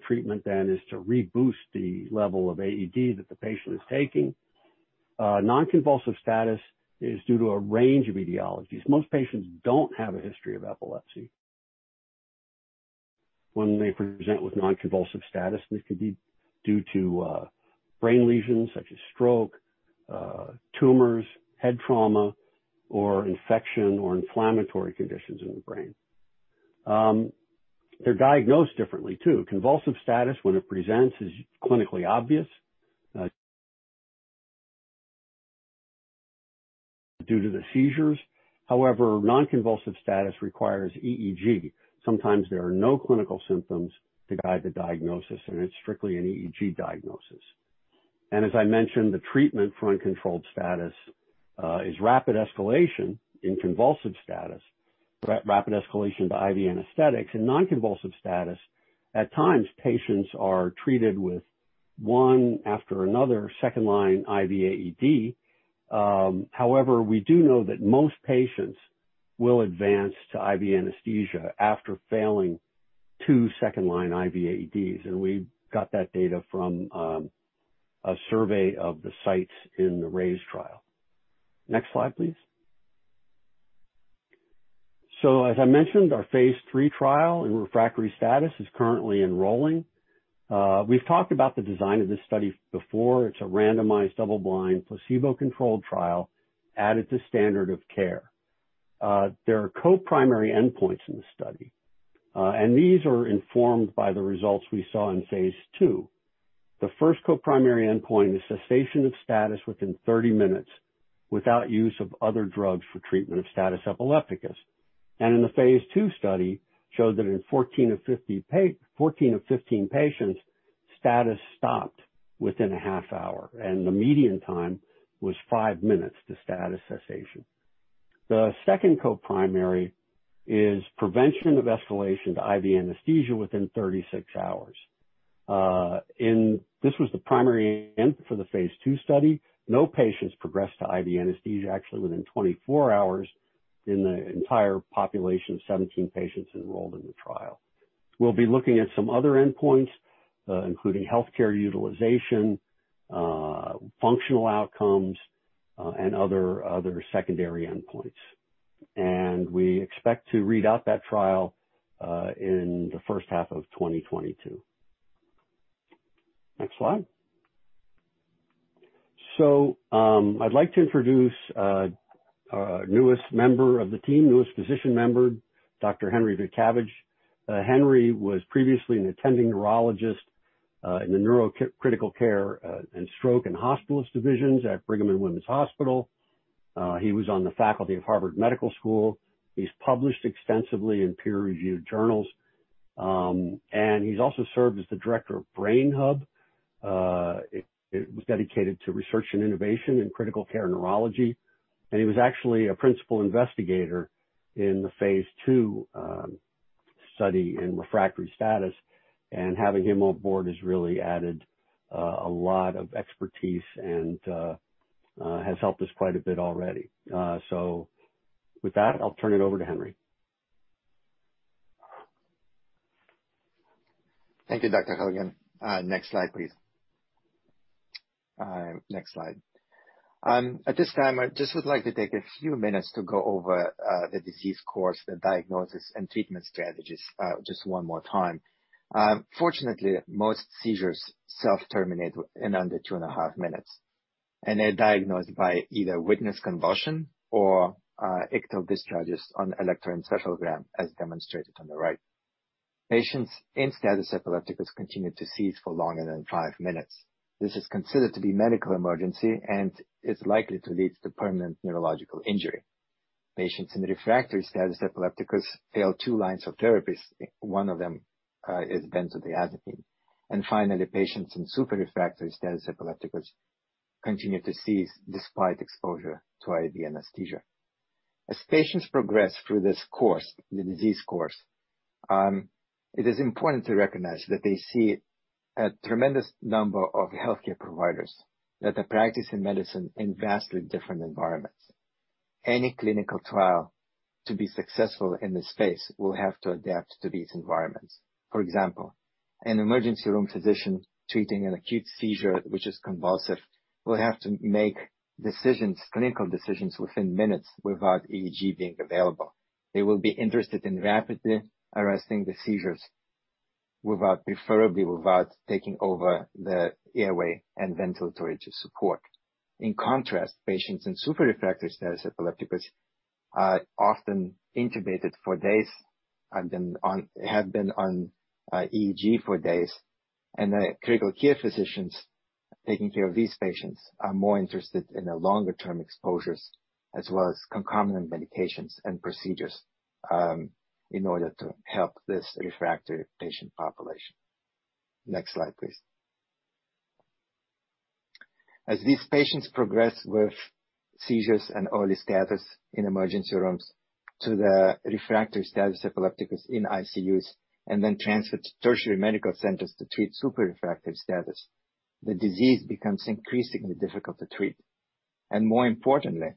treatment then is to reboost the level of AED that the patient is taking. Non-convulsive status is due to a range of etiologies. Most patients don't have a history of epilepsy. When they present with non-convulsive status, it could be due to brain lesions such as stroke, tumors, head trauma, or infection, or inflammatory conditions in the brain. They're diagnosed differently, too. Convulsive status, when it presents, is clinically obvious due to the seizures. Non-convulsive status requires EEG. Sometimes there are no clinical symptoms to guide the diagnosis, it's strictly an EEG diagnosis. As I mentioned, the treatment for uncontrolled status is rapid escalation in convulsive status, rapid escalation to IV anesthetics. In non-convulsive status, at times, patients are treated with one after another second-line IV AED. However, we do know that most patients will advance to IV anesthesia after failing two second-line IV AEDs. We got that data from a survey of the sites in the RAISE trial. Next slide, please. As I mentioned, our phase III trial in refractory status is currently enrolling. We've talked about the design of this study before. It's a randomized, double-blind, placebo-controlled trial added to standard of care. There are co-primary endpoints in the study. These are informed by the results we saw in phase II. The first co-primary endpoint is cessation of status within 30 minutes without use of other drugs for treatment of status epilepticus. In the phase II study, showed that in 14 of 15 patients, status stopped within a half hour, and the median time was five minutes to status cessation. The second co-primary is prevention of escalation to IV anesthesia within 36 hours. This was the primary endpoint for the phase II study. No patients progressed to IV anesthesia actually within 24 hours in the entire population of 17 patients enrolled in the trial. We'll be looking at some other endpoints, including healthcare utilization, functional outcomes, and other secondary endpoints. We expect to read out that trial in the first half of 2022. Next slide. I'd like to introduce our newest member of the team, newest physician member, Dr. Henry Vaitkevicius. Henry was previously an attending neurologist in the neurocritical care and stroke and hospitalist divisions at Brigham and Women's Hospital. He was on the faculty of Harvard Medical School. He's published extensively in peer-reviewed journals. He's also served as the director of BrainHub. It was dedicated to research and innovation in critical care neurology. He was actually a principal investigator in the phase II study in refractory status. Having him on board has really added a lot of expertise and has helped us quite a bit already. With that, I'll turn it over to Henry. Thank you, Dr. Hulihan. Next slide, please. Next slide. At this time, I just would like to take a few minutes to go over the disease course, the diagnosis, and treatment strategies just one more time. Fortunately, most seizures self-terminate in under two and a half minutes, and they're diagnosed by either witnessed convulsion or epileptiform discharges on electroencephalogram, as demonstrated on the right. Patients in status epilepticus continue to seize for longer than five minutes. This is considered to be medical emergency and is likely to lead to permanent neurological injury. Patients in refractory status epilepticus fail two lines of therapies, one of them is benzodiazepine. Finally, patients in super refractory status epilepticus continue to seize despite exposure to IV anesthesia. As patients progress through this course, the disease course, it is important to recognize that they see a tremendous number of healthcare providers that are practicing medicine in vastly different environments. Any clinical trial to be successful in this space will have to adapt to these environments. For example, an emergency room physician treating an acute seizure, which is convulsive, will have to make decisions, clinical decisions, within minutes without EEG being available. They will be interested in rapidly arresting the seizures, preferably without taking over the airway and ventilatory support. In contrast, patients in super refractory status epilepticus are often intubated for days, have been on EEG for days, and the critical care physicians taking care of these patients are more interested in the longer-term exposures as well as concomitant medications and procedures in order to help this refractory patient population. Next slide, please. As these patients progress with seizures and early status in emergency rooms to the refractory status epilepticus in ICUs and then transferred to tertiary medical centers to treat super refractory status, the disease becomes increasingly difficult to treat. More importantly,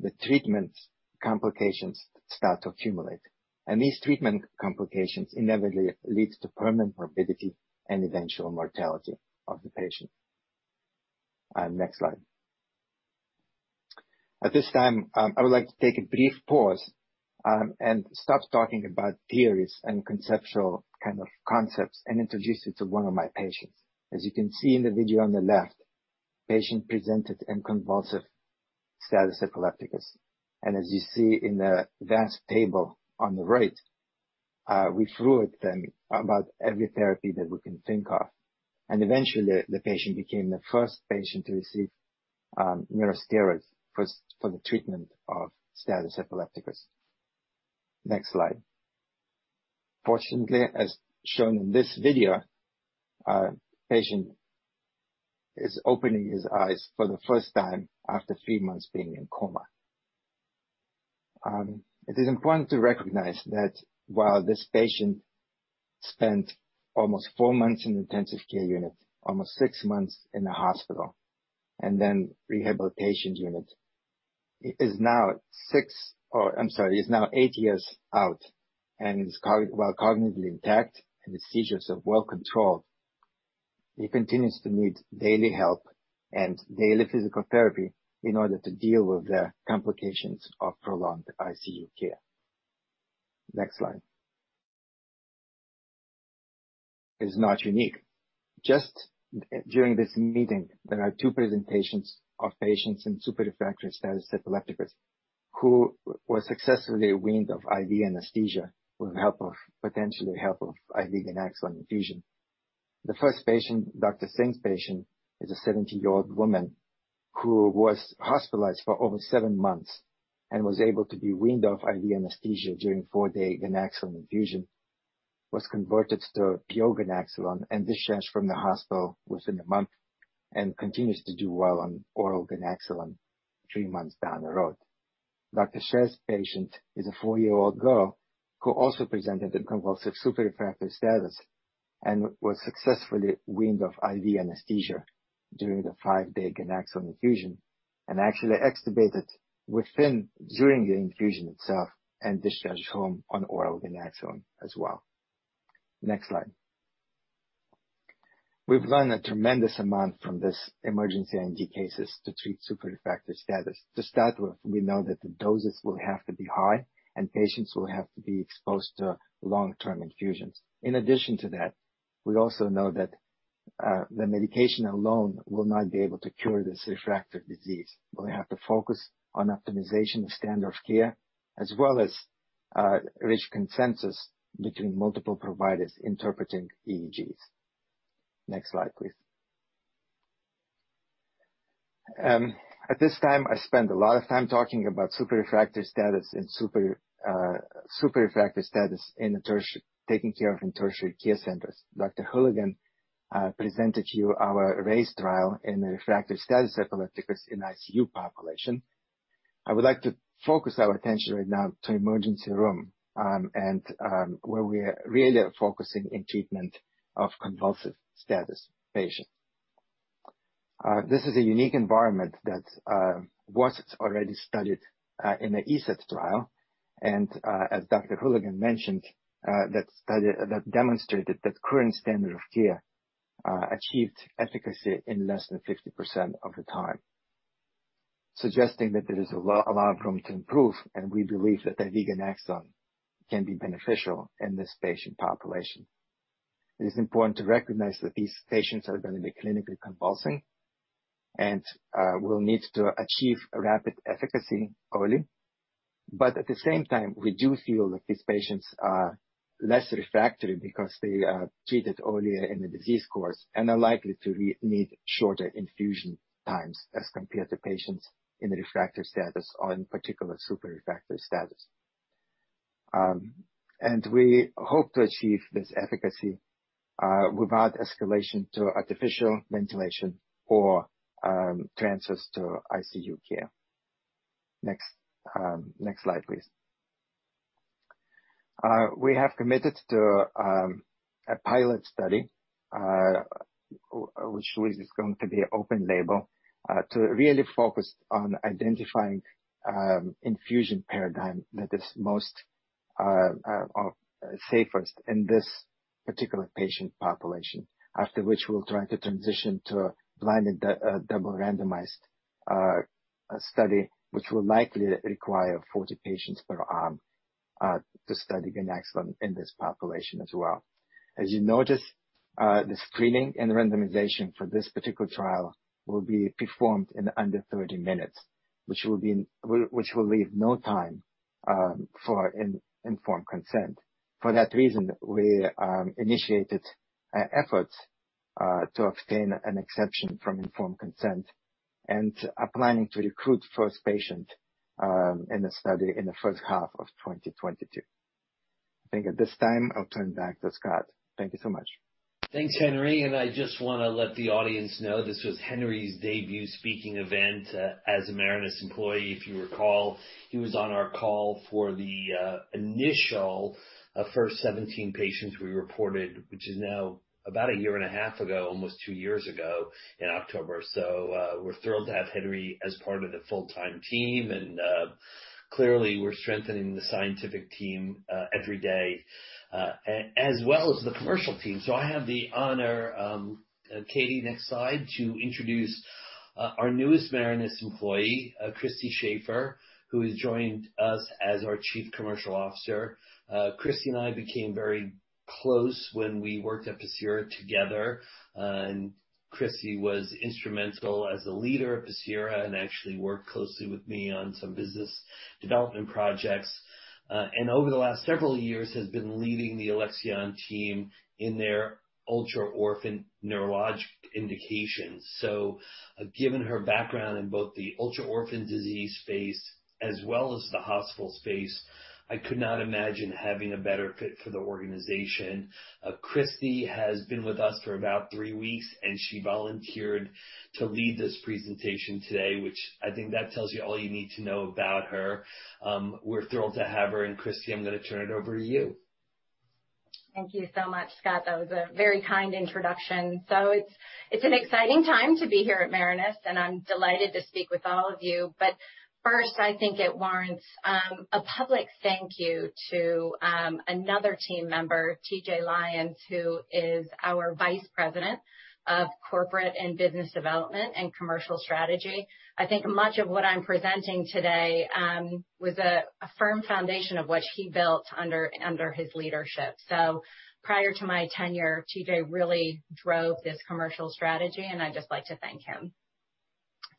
the treatment complications start to accumulate. These treatment complications inevitably leads to permanent morbidity and eventual mortality of the patient. Next slide. At this time, I would like to take a brief pause and stop talking about theories and conceptual concepts, and introduce you to one of my patients. As you can see in the video on the left, patient presented in convulsive status epilepticus. As you see in the vast table on the right, we threw at them about every therapy that we can think of. Eventually, the patient became the first patient to receive neurosteroids for the treatment of status epilepticus. Next slide. Fortunately, as shown in this video, patient is opening his eyes for the first time after three months being in coma. It is important to recognize that while this patient spent almost four months in intensive care unit, almost six months in the hospital, and then rehabilitation unit, he is now eight years out, and is while cognitively intact, and his seizures are well controlled. He continues to need daily help and daily physical therapy in order to deal with the complications of prolonged ICU care. Next slide. Is not unique. Just during this meeting, there are two presentations of patients in super refractory status epilepticus, who were successfully weaned off IV anesthesia with potential help of IV ganaxolone infusion. The first patient, Dr. Singh's patient, is a 70-year-old woman who was hospitalized for over seven months and was able to be weaned off IV anesthesia during four-day ganaxolone infusion, was converted to PO ganaxolone, and discharged from the hospital within a month, and continues to do well on oral ganaxolone three months down the road. Dr. Sher's patient is a four-year-old girl who also presented in convulsive super refractory status, and was successfully weaned off IV anesthesia during the five-day ganaxolone infusion, and actually extubated during the infusion itself, and discharged home on oral ganaxolone as well. Next slide. We've learned a tremendous amount from this emergency eIND cases to treat super refractory status. To start with, we know that the doses will have to be high, and patients will have to be exposed to long-term infusions. In addition to that, we also know that the medication alone will not be able to cure this refractory disease. We have to focus on optimization of standard care, as well as reach consensus between multiple providers interpreting EEGs. Next slide, please. At this time, I spent a lot of time talking about super refractory status taken care of in tertiary care centers. Dr. Hulihan presented to you our RAISE trial in the refractory status epilepticus in ICU population. I would like to focus our attention right now to emergency room, and where we are really focusing in treatment of convulsive status patients. This is a unique environment that was already studied in the [ISEPS trial], and as Dr. Hulihan mentioned, that demonstrated that current standard of care achieved efficacy in less than 50% of the time. Suggesting that there is a lot of room to improve. We believe that the ganaxolone can be beneficial in this patient population. It is important to recognize that these patients are going to be clinically convulsing and will need to achieve rapid efficacy early. At the same time, we do feel that these patients are less refractory because they are treated earlier in the disease course and are likely to need shorter infusion times as compared to patients in refractory status or, in particular, super refractory status. We hope to achieve this efficacy without escalation to artificial ventilation or transfers to ICU care. Next slide, please. We have committed to a pilot study, which is going to be open-label, to really focus on identifying infusion paradigm that is safest in this particular patient population. After which, we'll try to transition to blinded double randomized study, which will likely require 40 patients per arm to study ganaxolone in this population as well. As you notice, the screening and randomization for this particular trial will be performed in under 30 minutes, which will leave no time for informed consent. For that reason, we initiated efforts to obtain an exception from informed consent and are planning to recruit first patient in the study in the first half of 2022. I think at this time, I'll turn back to Scott. Thank you so much. Thanks, Henry. I just want to let the audience know this was Henry's debut speaking event as a Marinus employee. If you recall, he was on our call for the initial first 17 patients we reported, which is now about a year and a half ago, almost two years ago in October. We're thrilled to have Henry as part of the full-time team and clearly, we're strengthening the scientific team every day, as well as the commercial team. I have the honor, Katie, next slide, to introduce our newest Marinus employee, Christy Shafer, who has joined us as our Chief Commercial Officer. Christy and I became very close when we worked at Pacira together, and Christy was instrumental as the leader of Pacira and actually worked closely with me on some business development projects. Over the last several years has been leading the Alexion team in their ultra-orphan neurologic indications. Given her background in both the ultra-orphan disease space as well as the hospital space, I could not imagine having a better fit for the organization. Christy has been with us for about three weeks, and she volunteered to lead this presentation today, which I think that tells you all you need to know about her. We're thrilled to have her. Christy, I'm going to turn it over to you. Thank you so much, Scott. That was a very kind introduction. It's an exciting time to be here at Marinus, and I'm delighted to speak with all of you. First, I think it warrants a public thank you to another team member, T.J. Lyons, who is our vice president of corporate and business development and commercial strategy. I think much of what I'm presenting today was a firm foundation of what he built under his leadership. Prior to my tenure, T.J. really drove this commercial strategy, and I'd just like to thank him.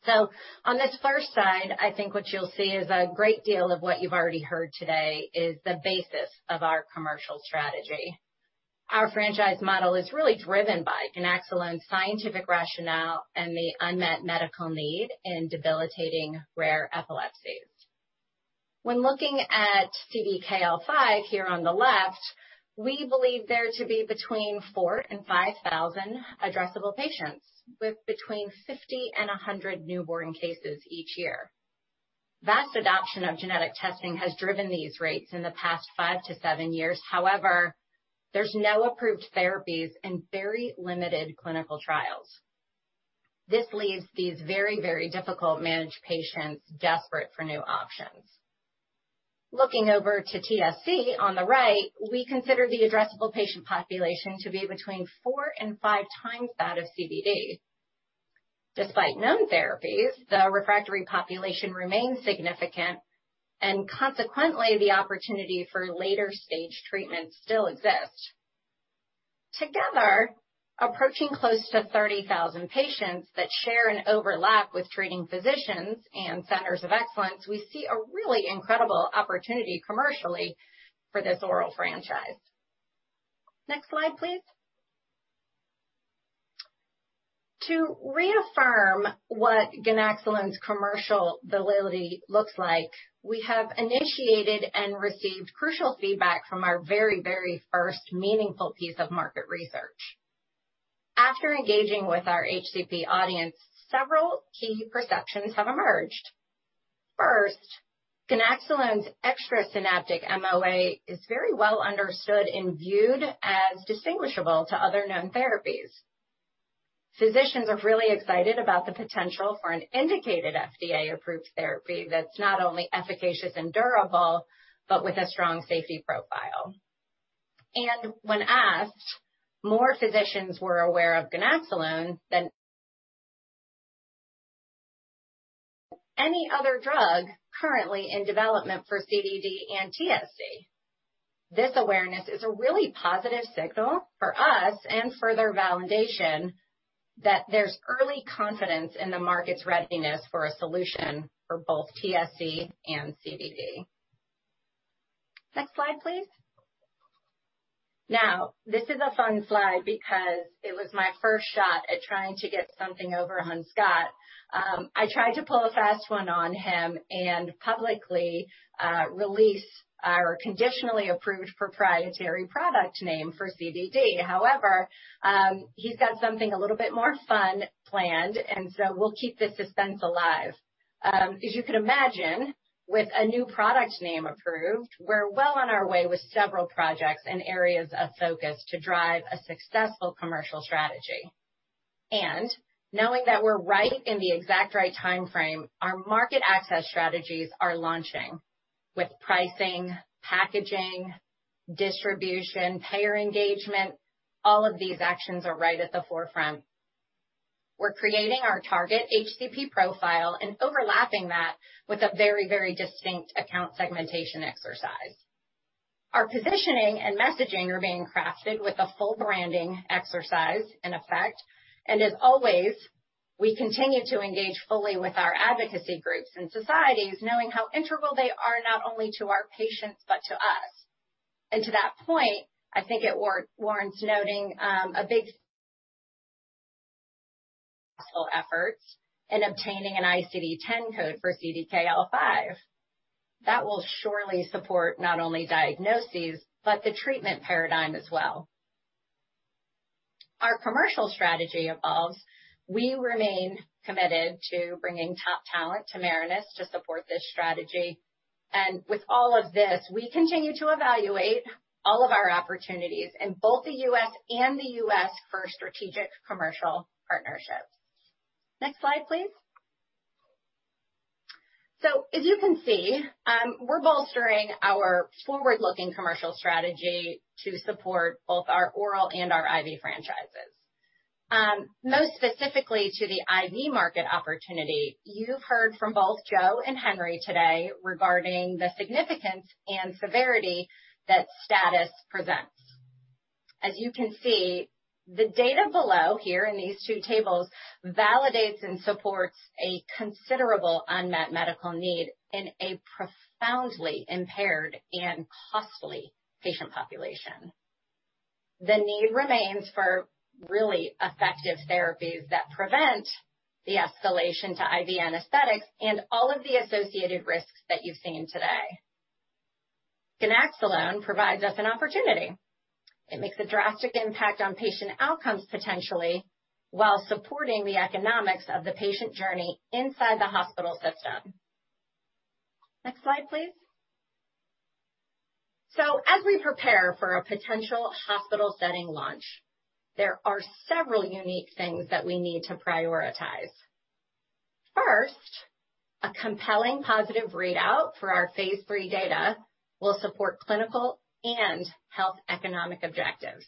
On this first slide, I think what you'll see is a great deal of what you've already heard today is the basis of our commercial strategy. Our franchise model is really driven by ganaxolone's scientific rationale and the unmet medical need in debilitating rare epilepsies. When looking at CDKL5 here on the left, we believe there to be between four and five thousand addressable patients, with between 50 and 100 newborn cases each year. Vast adoption of genetic testing has driven these rates in the past five to seven years. There's no approved therapies and very limited clinical trials. This leaves these very, very difficult managed patients desperate for new options. Looking over to TSC on the right, we consider the addressable patient population to be between four and five times that of CDD. Despite known therapies, the refractory population remains significant, consequently, the opportunity for later-stage treatments still exists. Together, approaching close to 30,000 patients that share an overlap with treating physicians and centers of excellence, we see a really incredible opportunity commercially for this oral franchise. Next slide, please. To reaffirm what ganaxolone's commercial viability looks like, we have initiated and received crucial feedback from our very first meaningful piece of market research. After engaging with our HCP audience, several key perceptions have emerged. First, ganaxolone's extrasynaptic MOA is very well understood and viewed as distinguishable to other known therapies. Physicians are really excited about the potential for an indicated FDA-approved therapy that's not only efficacious and durable, but with a strong safety profile. When asked, more physicians were aware of ganaxolone than any other drug currently in development for CDD and TSC. This awareness is a really positive signal for us and further validation that there's early confidence in the market's readiness for a solution for both TSC and CDD. Next slide, please. Now, this is a fun slide because it was my first shot at trying to get something over on Scott. I tried to pull a fast one on him and publicly release our conditionally approved proprietary product name for CDD. However, he's got something a little bit more fun planned, and so we'll keep the suspense alive. As you can imagine, with a new product name approved, we're well on our way with several projects and areas of focus to drive a successful commercial strategy. Knowing that we're right in the exact right timeframe, our market access strategies are launching with pricing, packaging, distribution, payer engagement. All of these actions are right at the forefront. We're creating our target HCP profile and overlapping that with a very, very distinct account segmentation exercise. Our positioning and messaging are being crafted with a full branding exercise in effect, as always, we continue to engage fully with our advocacy groups and societies, knowing how integral they are not only to our patients, but to us. To that point, I think it warrants noting a big effort in obtaining an ICD-10 code for CDKL5. That will surely support not only diagnoses, but the treatment paradigm as well. Our commercial strategy evolves. We remain committed to bringing top talent to Marinus to support this strategy. With all of this, we continue to evaluate all of our opportunities in both the U.S. and the [OUS]. for strategic commercial partnerships. Next slide, please. As you can see, we're bolstering our forward-looking commercial strategy to support both our oral and our IV franchises. Most specifically to the IV market opportunity, you've heard from both Joe and Henry today regarding the significance and severity that status presents. As you can see, the data below here in these two tables validates and supports a considerable unmet medical need in a profoundly impaired and costly patient population. The need remains for really effective therapies that prevent the escalation to IV anesthetics and all of the associated risks that you've seen today. ganaxolone provides us an opportunity. It makes a drastic impact on patient outcomes potentially, while supporting the economics of the patient journey inside the hospital system. Next slide, please. As we prepare for a potential hospital setting launch, there are several unique things that we need to prioritize. First, a compelling positive readout for our phase III data will support clinical and health economic objectives.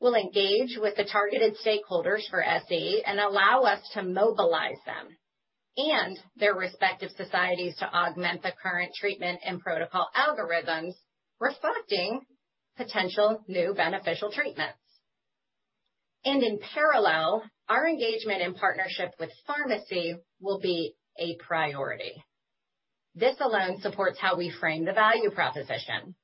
We'll engage with the targeted stakeholders for SE and allow us to mobilize them and their respective societies to augment the current treatment and protocol algorithms, reflecting potential new beneficial treatments. In parallel, our engagement in partnership with pharmacy will be a priority. This alone supports how we frame the value proposition.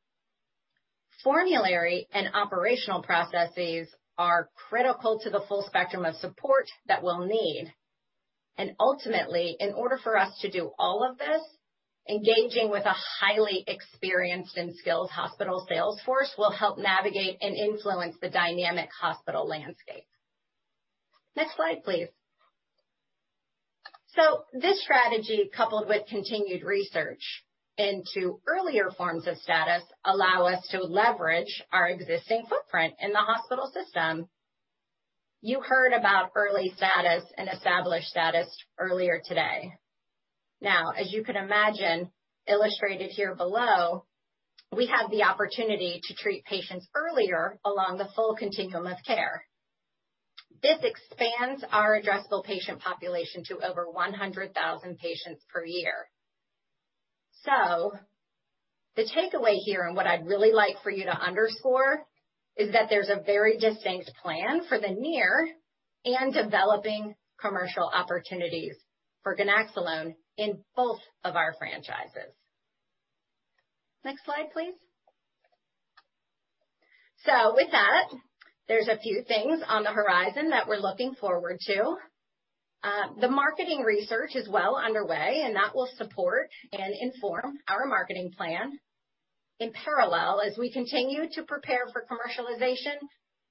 Formulary and operational processes are critical to the full spectrum of support that we'll need. Ultimately, in order for us to do all of this, engaging with a highly experienced and skilled hospital sales force will help navigate and influence the dynamic hospital landscape. Next slide, please. This strategy, coupled with continued research into earlier forms of status, allow us to leverage our existing footprint in the hospital system. You heard about early status and established status earlier today. As you can imagine, illustrated here below, we have the opportunity to treat patients earlier along the full continuum of care. This expands our addressable patient population to over 100,000 patients per year. The takeaway here, and what I'd really like for you to underscore, is that there's a very distinct plan for the near and developing commercial opportunities for ganaxolone in both of our franchises. Next slide, please. With that, there's a few things on the horizon that we're looking forward to. The marketing research is well underway, and that will support and inform our marketing plan. In parallel, as we continue to prepare for commercialization,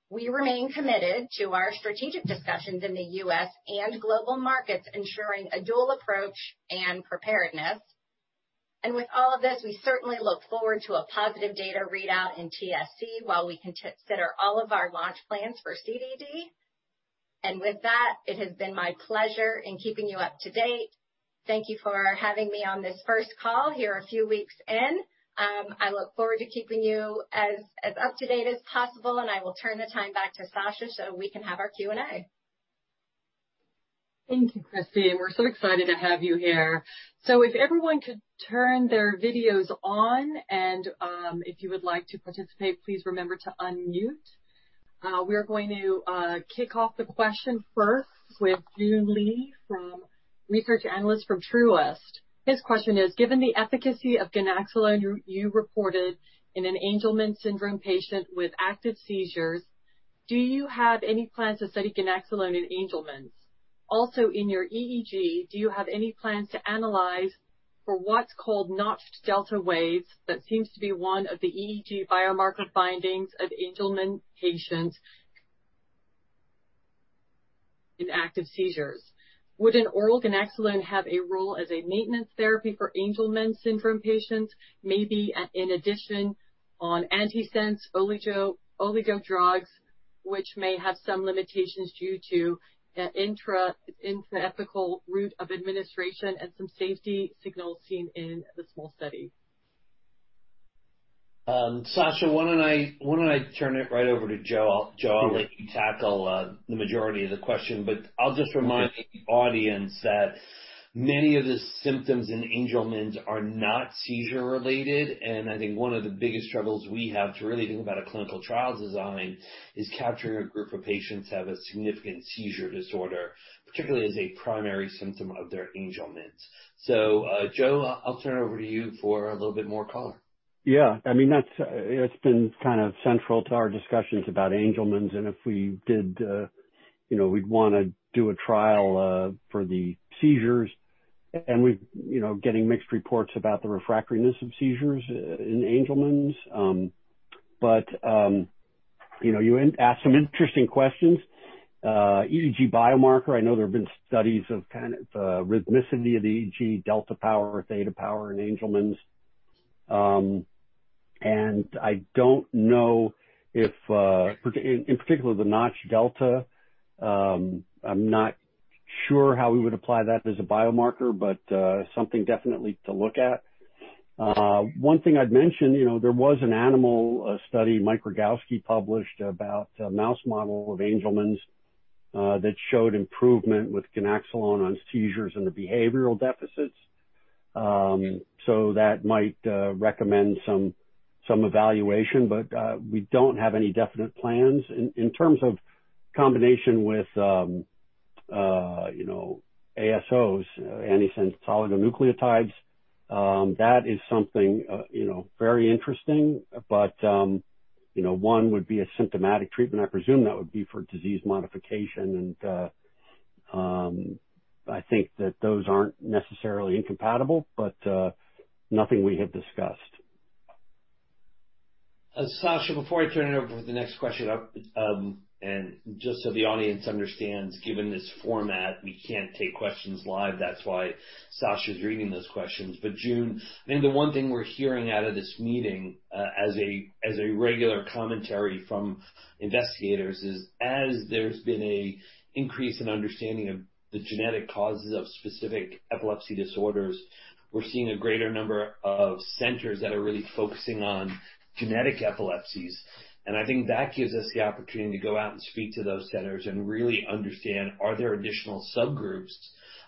we remain committed to our strategic discussions in the U.S. and global markets, ensuring a dual approach and preparedness. With all of this, we certainly look forward to a positive data readout in TSC while we consider all of our launch plans for CDD. With that, it has been my pleasure in keeping you up to date. Thank you for having me on this first call here a few weeks in. I look forward to keeping you as up-to-date as possible, and I will turn the time back to Sasha so we can have our Q&A. Thank you, Christy. We're so excited to have you here. If everyone could turn their videos on and if you would like to participate, please remember to unmute. We're going to kick off the question first with Joon Lee from research analyst from Truist. His question is, "Given the efficacy of ganaxolone you reported in an Angelman syndrome patient with active seizures, do you have any plans to study ganaxolone in Angelman's? Also, in your EEG, do you have any plans to analyze for what's called notched delta waves that seems to be one of the EEG biomarker findings of Angelman patients in active seizures? Would an oral ganaxolone have a role as a maintenance therapy for Angelman syndrome patients, maybe in addition on antisense oligo drugs, which may have some limitations due to the intrathecal route of administration and some safety signals seen in the small study? Sasha, why don't I turn it right over to Joe. Joe, I'll let you tackle the majority of the question, but I'll just remind the audience that many of the symptoms in Angelman's are not seizure-related. I think one of the biggest struggles we have to really think about a clinical trial design is capturing a group of patients who have a significant seizure disorder, particularly as a primary symptom of their Angelman's. Joe, I'll turn it over to you for a little bit more color. Yeah. It's been kind of central to our discussions about Angelman's, and if we did, we'd want to do a trial for the seizures. We're getting mixed reports about the refractoriness of seizures in Angelman's. You ask some interesting questions. EEG biomarker, I know there have been studies of kind of rhythmicity of the EEG, delta power, theta power in Angelman's. I don't know if, in particular, the [Notch-Delta]. I'm not sure how we would apply that as a biomarker, but something definitely to look at. One thing I'd mention, there was an animal study Michael Rogawski published about a mouse model of Angelman's that showed improvement with ganaxolone on seizures and the behavioral deficits. That might recommend some evaluation, but we don't have any definite plans. In terms of combination with ASOs, antisense oligonucleotides, that is something very interesting. One would be a symptomatic treatment. I presume that would be for disease modification, and I think that those aren't necessarily incompatible, but nothing we have discussed. Sasha, before I turn it over with the next question up, just so the audience understands, given this format, we can't take questions live. That's why Sasha's reading those questions. Joon, I think the one thing we're hearing out of this meeting, as a regular commentary from investigators is, as there's been an increase in understanding of the genetic causes of specific epilepsy disorders, we're seeing a greater number of centers that are really focusing on genetic epilepsies. I think that gives us the opportunity to go out and speak to those centers and really understand are there additional subgroups.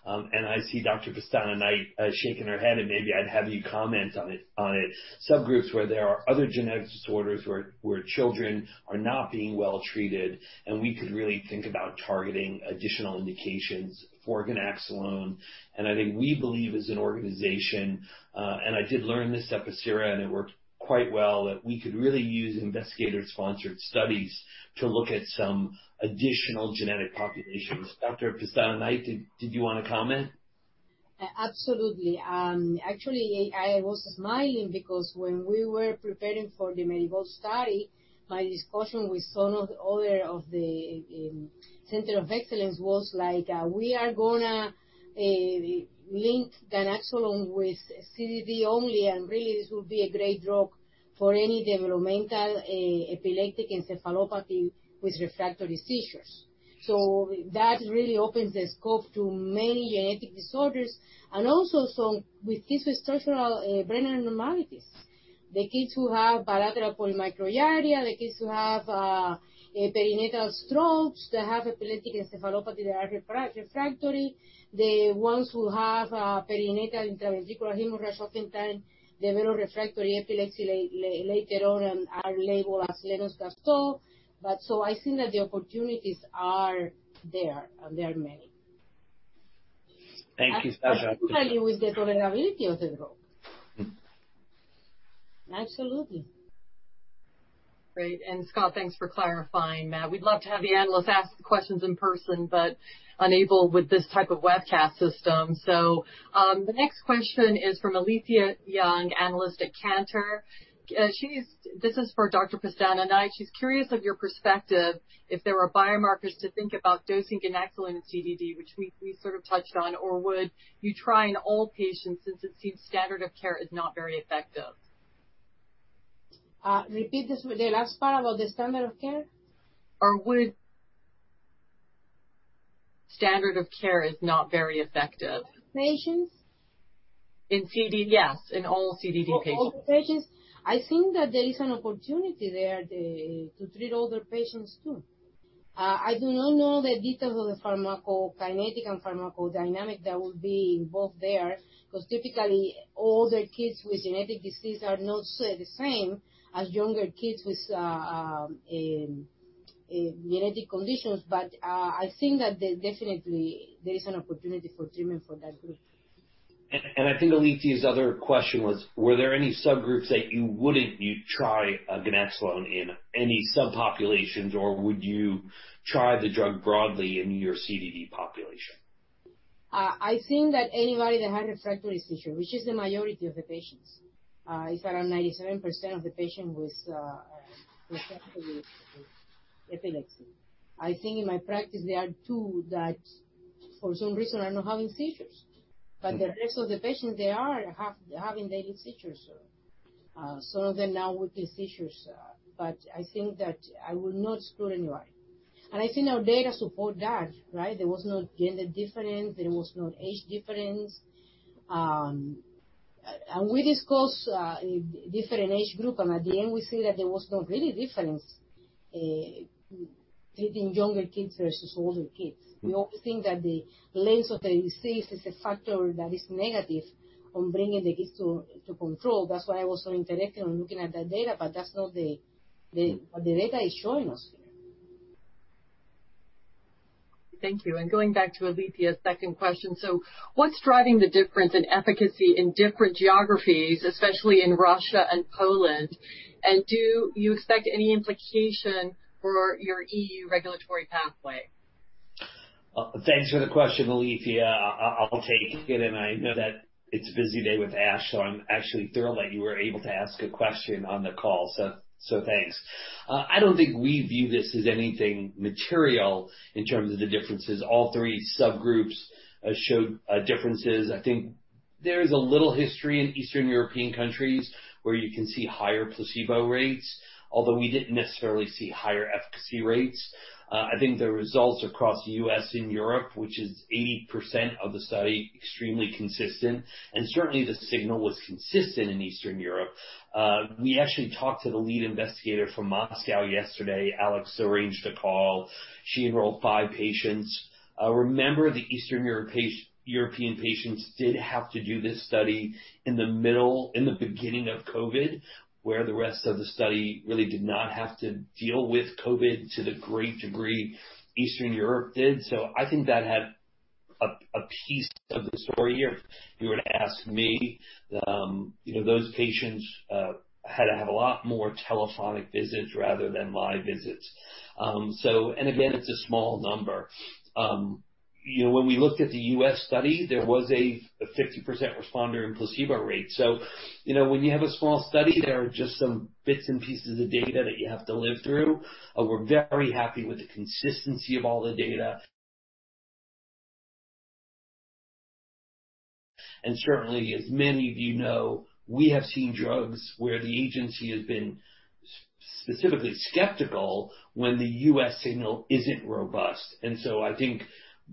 I see Dr. Pestana Knight shaking her head, and maybe I'd have you comment on it. Subgroups where there are other genetic disorders where children are not being well-treated, and we could really think about targeting additional indications for ganaxolone. I think we believe as an organization, I did learn this at Pacira, and it worked quite well, that we could really use investigator-sponsored studies to look at some additional genetic populations. Dr. Pestana Knight, did you want to comment? Absolutely. Actually, I was smiling because when we were preparing for the Marigold study study, my discussion with [Sono], the owner of the Center of Excellence was, like, we are going to link ganaxolone with CDD only, and really this will be a great drug for any developmental epileptic encephalopathy with refractory seizures. That really opens the scope to many genetic disorders and also some with kids with structural brain abnormalities. The kids who have bilateral polymicrogyria, the kids who have perinatal strokes, they have epileptic encephalopathy that are refractory. The ones who have perinatal intraventricular hemorrhage, oftentimes, develop refractory epilepsy later on and are labeled as Lennox-Gastaut. I think that the opportunities are there, and they're many. Thank you, Sasha. Particularly with the tolerability of the drug. Absolutely. Great. Scott, thanks for clarifying. We'd love to have the analysts ask the questions in person, but unable with this type of webcast system. The next question is from Alethia Young, analyst at Cantor. This is for Dr. Pestana Knight. She's curious of your perspective, if there were biomarkers to think about dosing ganaxolone in CDD, which we sort of touched on, or would you try in all patients since it seems standard of care is not very effective? Repeat the last part about the standard of care. would standard of care is not very effective. Patients? In CD. Yes, in all CDD patients. All patients. I think that there is an opportunity there to treat older patients, too. I do not know the details of the pharmacokinetic and pharmacodynamic that will be involved there. Typically, older kids with genetic disease are not the same as younger kids with genetic conditions. I think that there definitely is an opportunity for treatment for that group. I think Alethia's other question was, were there any subgroups that you wouldn't try ganaxolone in any subpopulations, or would you try the drug broadly in your CDD population? I think that anybody that had refractory seizure, which is the majority of the patients. It's around 97% of the patients with epilepsy. I think in my practice, there are two that for some reason are not having seizures. The rest of the patients, they are having daily seizures. Some of them now with these seizures. I think that I would not exclude anybody. I think our data support that, right? There was no gender difference. There was no age difference. We discussed different age group, and at the end, we see that there was no really difference treating younger kids versus older kids. We don't think that the length of the disease is a factor that is negative on bringing the kids to control. That's why I was so interested in looking at that data, but that's not what the data is showing us here. Thank you. Going back to Alethia's second question. What's driving the difference in efficacy in different geographies, especially in Russia and Poland? Do you expect any implication for your EU regulatory pathway? Thanks for the question, Alethia. I'll take it. I know that it's a busy day with ASH, I'm actually thrilled that you were able to ask a question on the call. Thanks. I don't think we view this as anything material in terms of the differences. All three subgroups showed differences. I think there is a little history in Eastern European countries where you can see higher placebo rates, although we didn't necessarily see higher efficacy rates. I think the results across the U.S. and Europe, which is 80% of the study, extremely consistent. Certainly the signal was consistent in Eastern Europe. We actually talked to the lead investigator from Moscow yesterday. Alex arranged a call. She enrolled five patients. Remember, the Eastern European patients did have to do this study in the beginning of COVID, where the rest of the study really did not have to deal with COVID to the great degree Eastern Europe did. I think that had a piece of the story, if you were to ask me. Those patients had to have a lot more telephonic visits rather than live visits. Again, it's a small number. When we looked at the U.S. study, there was a 50% responder in placebo rate. When you have a small study, there are just some bits and pieces of data that you have to live through, and we're very happy with the consistency of all the data. Certainly, as many of you know, we have seen drugs where the agency has been specifically skeptical when the U.S. signal isn't robust. I think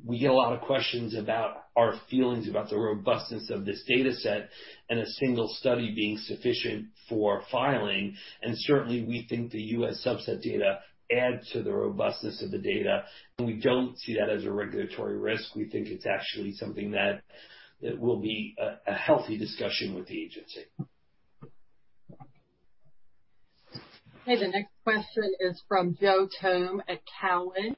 we get a lot of questions about our feelings about the robustness of this data set and a single study being sufficient for filing. Certainly, we think the U.S. subset data add to the robustness of the data, and we don't see that as a regulatory risk. We think it's actually something that will be a healthy discussion with the agency. Okay, the next question is from Joseph Thome at Cowen.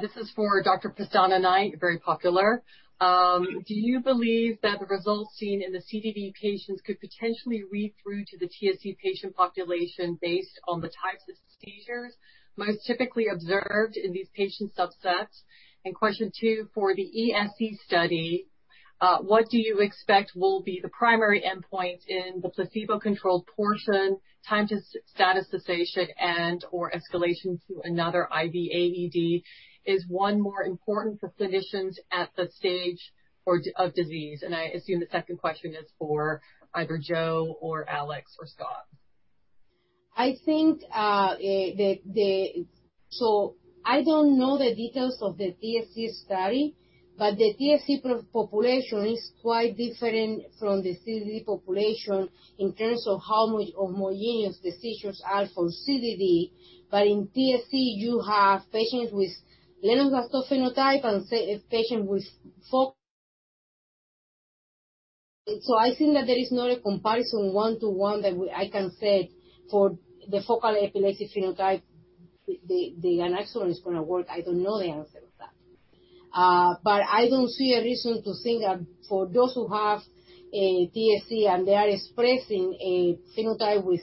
This is for Dr. Pestana Knight, very popular. Do you believe that the results seen in the CDD patients could potentially read through to the TSC patient population based on the types of seizures most typically observed in these patient subsets? Question two, for the ESE study, what do you expect will be the primary endpoint in the placebo-controlled portion, time to status cessation and/or escalation to another IV AED? Is one more important for clinicians at the stage of disease? I assume the second question is for either Joe or Alex or Scott. I don't know the details of the TSC study, but the TSC population is quite different from the CDD population in terms of how much homogeneous the seizures are from CDD. In TSC, you have patients with Lennox-Gastaut phenotype and patients with focal. I think that there is not a comparison one to one that I can say for the focal epilepsy phenotype, the ganaxolone is going to work. I don't know the answer to that. I don't see a reason to think that for those who have a TSC and they are expressing a phenotype with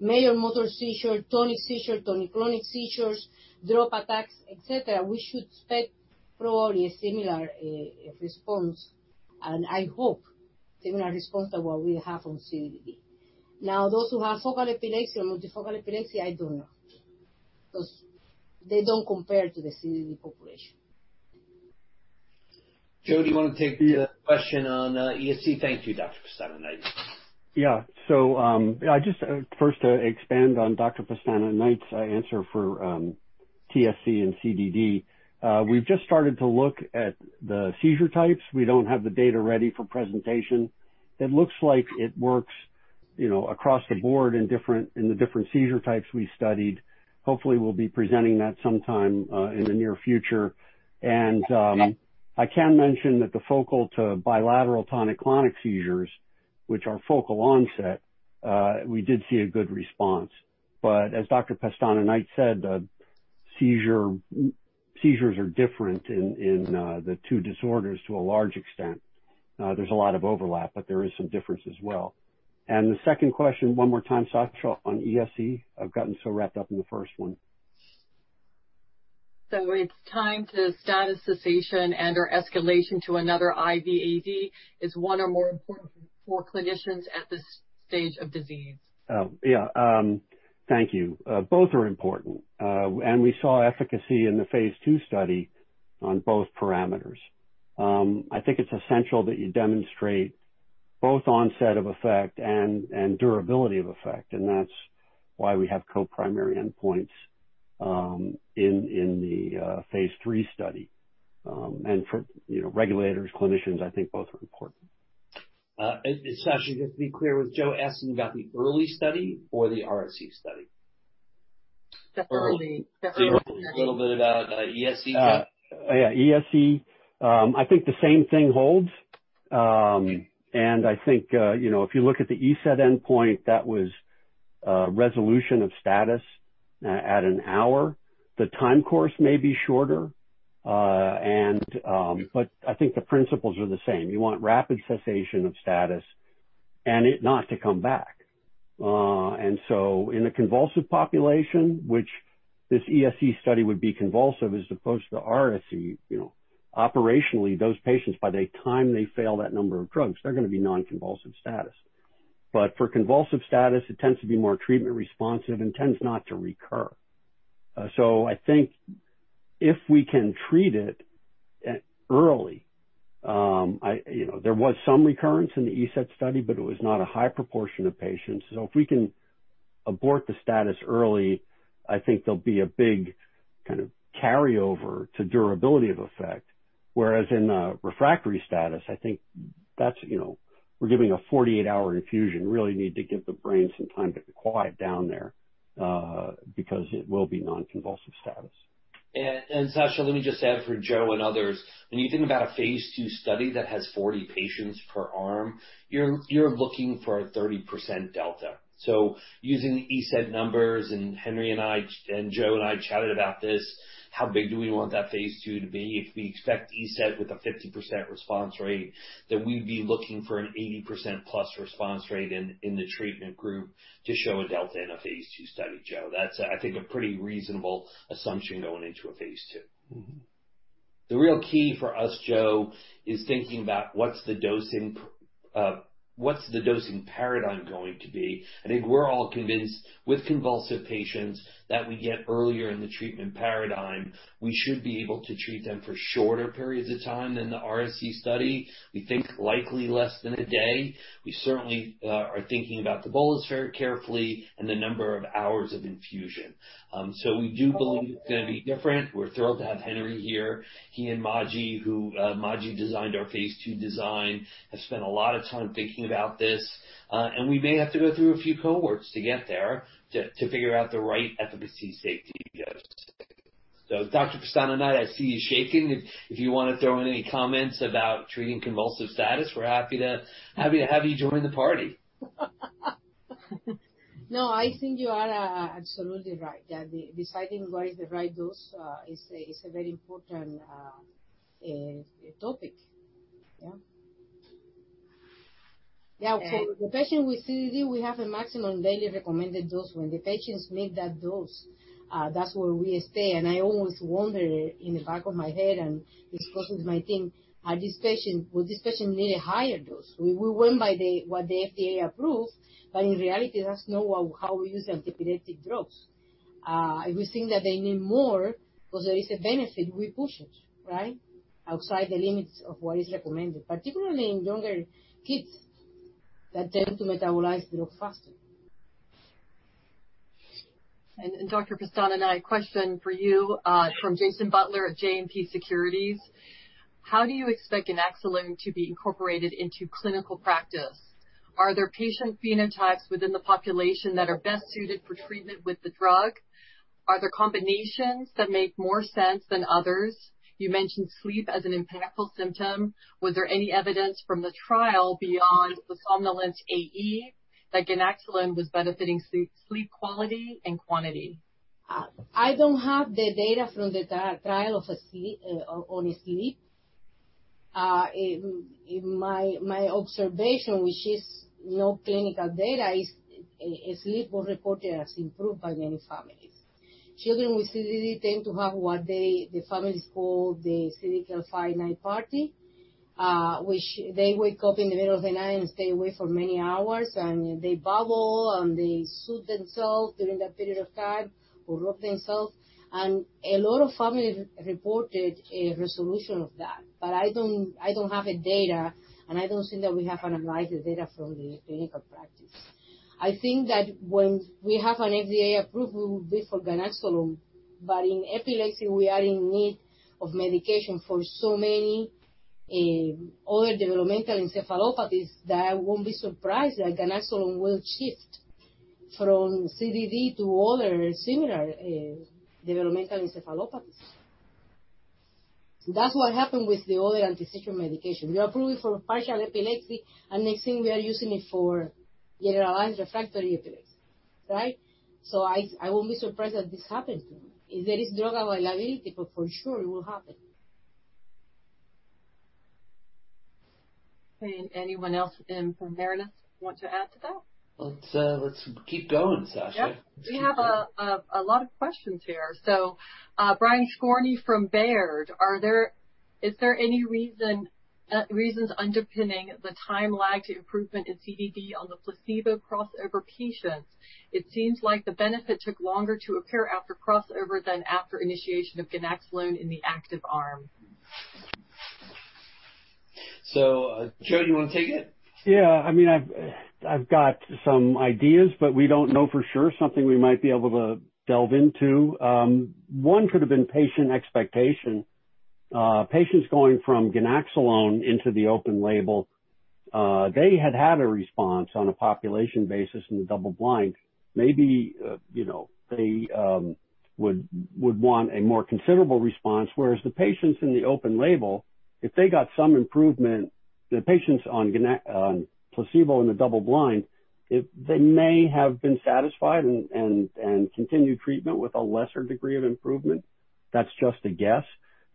major motor seizure, tonic seizure, tonic-clonic seizures, drop attacks, et cetera, we should expect probably a similar response, and I hope similar response than what we have from CDD. Now, those who have focal epilepsy or multifocal epilepsy, I don't know, because they don't compare to the CDD population. Joe, do you want to take the question on ESE? Thank you, Dr. Pestana Knight. Yeah. Just first to expand on Dr. Pestana Knight's answer for TSC and CDD. We've just started to look at the seizure types. We don't have the data ready for presentation. It looks like it works across the board in the different seizure types we studied. Hopefully, we'll be presenting that sometime in the near future. I can mention that the focal to bilateral tonic-clonic seizures, which are focal onset, we did see a good response. As Dr. Pestana Knight said, seizures are different in the two disorders to a large extent. There's a lot of overlap, but there is some difference as well. The second question, one more time, Sasha, on ESE. I've gotten so wrapped up in the first one. It's time to status cessation and/or escalation to another IV AED. Is one or more important for clinicians at this stage of disease? Oh, yeah. Thank you. Both are important. We saw efficacy in the phase II study on both parameters. I think it's essential that you demonstrate both onset of effect and durability of effect. That's why we have co-primary endpoints in the phase III study. For regulators, clinicians, I think both are important. Sasha, just to be clear, was Joe asking about the early study or the RSC study? Definitely early. A little bit about ESE, Joe. Yeah. ESE. I think the same thing holds. I think, if you look at the ESETT endpoint, that was resolution of status at an hour. The time course may be shorter. I think the principles are the same. You want rapid cessation of status and it not to come back. In the convulsive population, which this ESE study would be convulsive, as opposed to the RSC. Operationally, those patients, by the time they fail that number of drugs, they're going to be non-convulsive status. For convulsive status, it tends to be more treatment responsive and tends not to recur. I think if we can treat it early, there was some recurrence in the ESETT study, but it was not a high proportion of patients. If we can abort the status early, I think there'll be a big kind of carryover to durability of effect. In a refractory status, I think we're giving a 48-hour infusion. Really need to give the brain some time to quiet down there, because it will be non-convulsive status. Sasha, let me just add for Joe and others, when you think about a phase II study that has 40 patients per arm, you're looking for a 30% delta. Using ESETT numbers, and Henry and I, and Joe and I chatted about this, how big do we want that phase II to be? If we expect ESETT with a 50% response rate, then we'd be looking for an 80% plus response rate in the treatment group to show a delta in a phase II study, Joe. That's, I think, a pretty reasonable assumption going into a phase II. The real key for us, Joe, is thinking about what's the dosing paradigm going to be. I think we're all convinced with convulsive patients that we get earlier in the treatment paradigm, we should be able to treat them for shorter periods of time than the RSC study. We think likely less than a day. We certainly are thinking about the bolus very carefully and the number of hours of infusion. We do believe it's going to be different. We're thrilled to have Henry here. He and [Maciej], who, Maciej designed our phase II design, have spent a lot of time thinking about this. We may have to go through a few cohorts to get there to figure out the right efficacy/safety dose. Dr. Pestana, I see you shaking. If you want to throw in any comments about treating convulsive status, we're happy to have you join the party. No, I think you are absolutely right. That deciding what is the right dose is a very important topic. Yeah. Yeah. Yeah. For the patient with CDD, we have a maximum daily recommended dose. When the patients make that dose, that's where we stay. I always wonder in the back of my head and discuss with my team, would this patient need a higher dose? We went by what the FDA approved, but in reality, that's not how we use antiepileptic drugs. If we think that they need more because there is a benefit, we push it, right? Outside the limits of what is recommended. Particularly in younger kids that tend to metabolize drugs faster. Dr. Pestana, a question for you from Jason Butler at JMP Securities. How do you expect ganaxolone to be incorporated into clinical practice? Are there patient phenotypes within the population that are best suited for treatment with the drug? Are there combinations that make more sense than others? You mentioned sleep as an impactful symptom. Was there any evidence from the trial beyond the somnolence AE that ganaxolone was benefiting sleep quality and quantity? I don't have the data from the trial on sleep. In my observation, which is no clinical data, is sleep was reported as improved by many families. Children with CDD tend to have what the families call the [clinical fight night party], which they wake up in the middle of the night and stay awake for many hours, and they babble, and they soothe themselves during that period of time or rub themselves. A lot of families reported a resolution of that, but I don't have the data, and I don't think that we have analyzed the data from the clinical practice. I think that when we have an FDA approval, it will be for ganaxolone. In epilepsy, we are in need of medication for so many other developmental encephalopathies that I won't be surprised that ganaxolone will shift from CDD to other similar developmental encephalopathies. That's what happened with the other antiseizure medication. We approve it for partial epilepsy, and next thing we are using it for generalized refractory epilepsy. Right? I won't be surprised that this happens. If there is drug availability, for sure it will happen. Anyone else from Marinus want to add to that? Let's keep going, Sasha. Yep. We have a lot of questions here. Brian Skorney from Baird. Is there any reasons underpinning the time lag to improvement in CDD on the placebo crossover patients? It seems like the benefit took longer to appear after crossover than after initiation of ganaxolone in the active arm. Joe, do you want to take it? Yeah. I've got some ideas. We don't know for sure. Something we might be able to delve into. One could've been patient expectation. Patients going from ganaxolone into the open label, they had had a response on a population basis in the double blind. Maybe they would want a more considerable response, whereas the patients in the open label, if they got some improvement, the patients on placebo in the double blind, they may have been satisfied and continued treatment with a lesser degree of improvement. That's just a guess.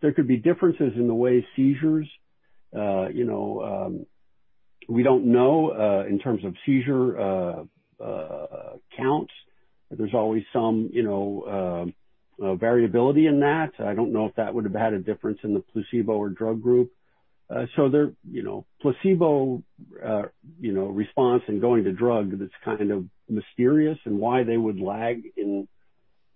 There could be differences in the way seizures, we don't know, in terms of seizure counts. There's always some variability in that. I don't know if that would have had a difference in the placebo or drug group. The placebo response and going to drug, that's kind of mysterious, and why they would lag in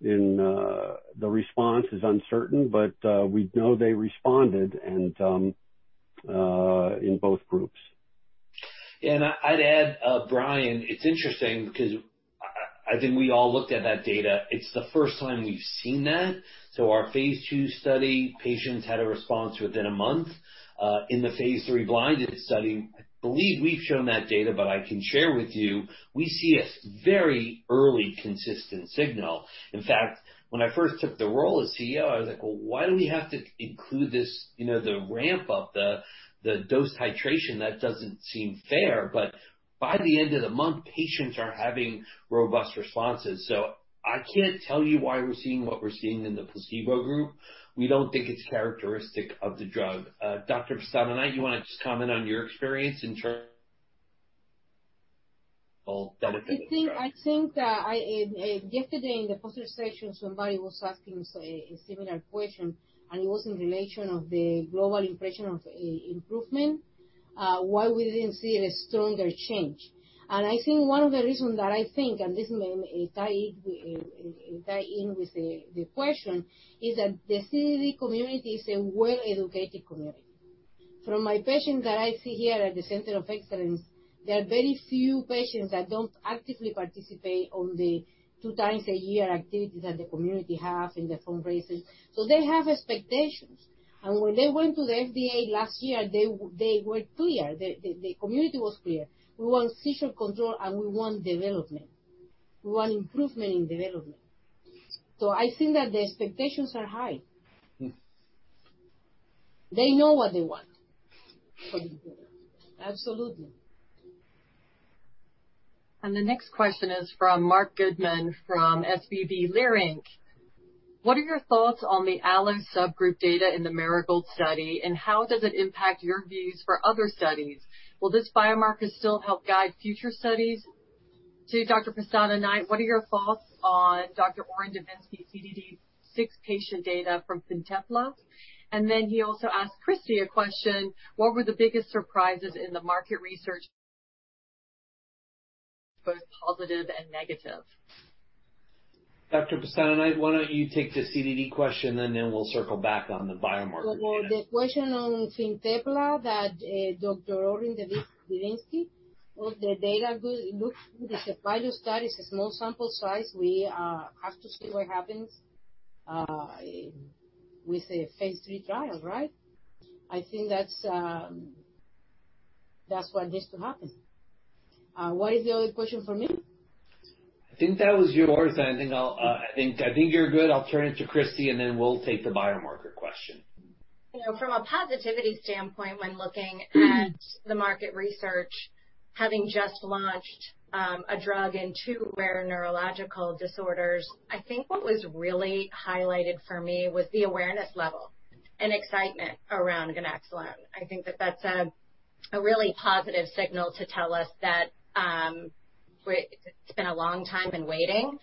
the response is uncertain, but we know they responded in both groups. I'd add, Brian, it's interesting because I think we all looked at that data. It's the first time we've seen that. Our phase II study patients had a response within a month. In the phase III blinded study, I believe we've shown that data, but I can share with you, we see a very early consistent signal. When I first took the role as CEO, I was like, "Well, why do we have to include the ramp up, the dose titration? That doesn't seem fair." By the end of the month, patients are having robust responses. I can't tell you why we're seeing what we're seeing in the placebo group. We don't think it's characteristic of the drug. Dr. Pestana Knight, you want to just comment on your experience in terms of benefit of the drug? I think yesterday in the poster session, somebody was asking a similar question, and it was in relation of the global impression of improvement, why we didn't see a stronger change. I think one of the reasons that I think, and this may tie in with the question, is that the CDD community is a well-educated community. From my patients that I see here at the Center of Excellence, there are very few patients that don't actively participate on the 2 times a year activities that the community have and the fundraising. They have expectations. When they went to the FDA last year, they were clear. The community was clear. We want seizure control, and we want development. We want improvement in development. I think that the expectations are high. They know what they want for the children. Absolutely. The next question is from Marc Goodman from Leerink Partners. What are your thoughts on the ALLO subgroup data in the Marigold study, and how does it impact your views for other studies? Will this biomarker still help guide future studies? To Dr. Pestana Knight, what are your thoughts on Dr. Orrin Devinsky's CDD six patient data from FINTEPLA? He also asked Christy a question, what were the biggest surprises in the market research, both positive and negative? Dr. Pestana Knight, why don't you take the CDD question, and then we'll circle back on the biomarker data. For the question on FINTEPLA that Dr. Orrin Devinsky, the data looks good. It's a pilot study. It's a small sample size. We have to see what happens with the phase III trials, right? I think that's what needs to happen. What is the other question for me? I think that was yours. I think you're good. I'll turn it to Christy, and then we'll take the biomarker question. From a positivity standpoint, when looking at the market research, having just launched a drug in two rare neurological disorders, I think what was really highlighted for me was the awareness level and excitement around ganaxolone. I think that that's a really positive signal to tell us that it's been a long time in waiting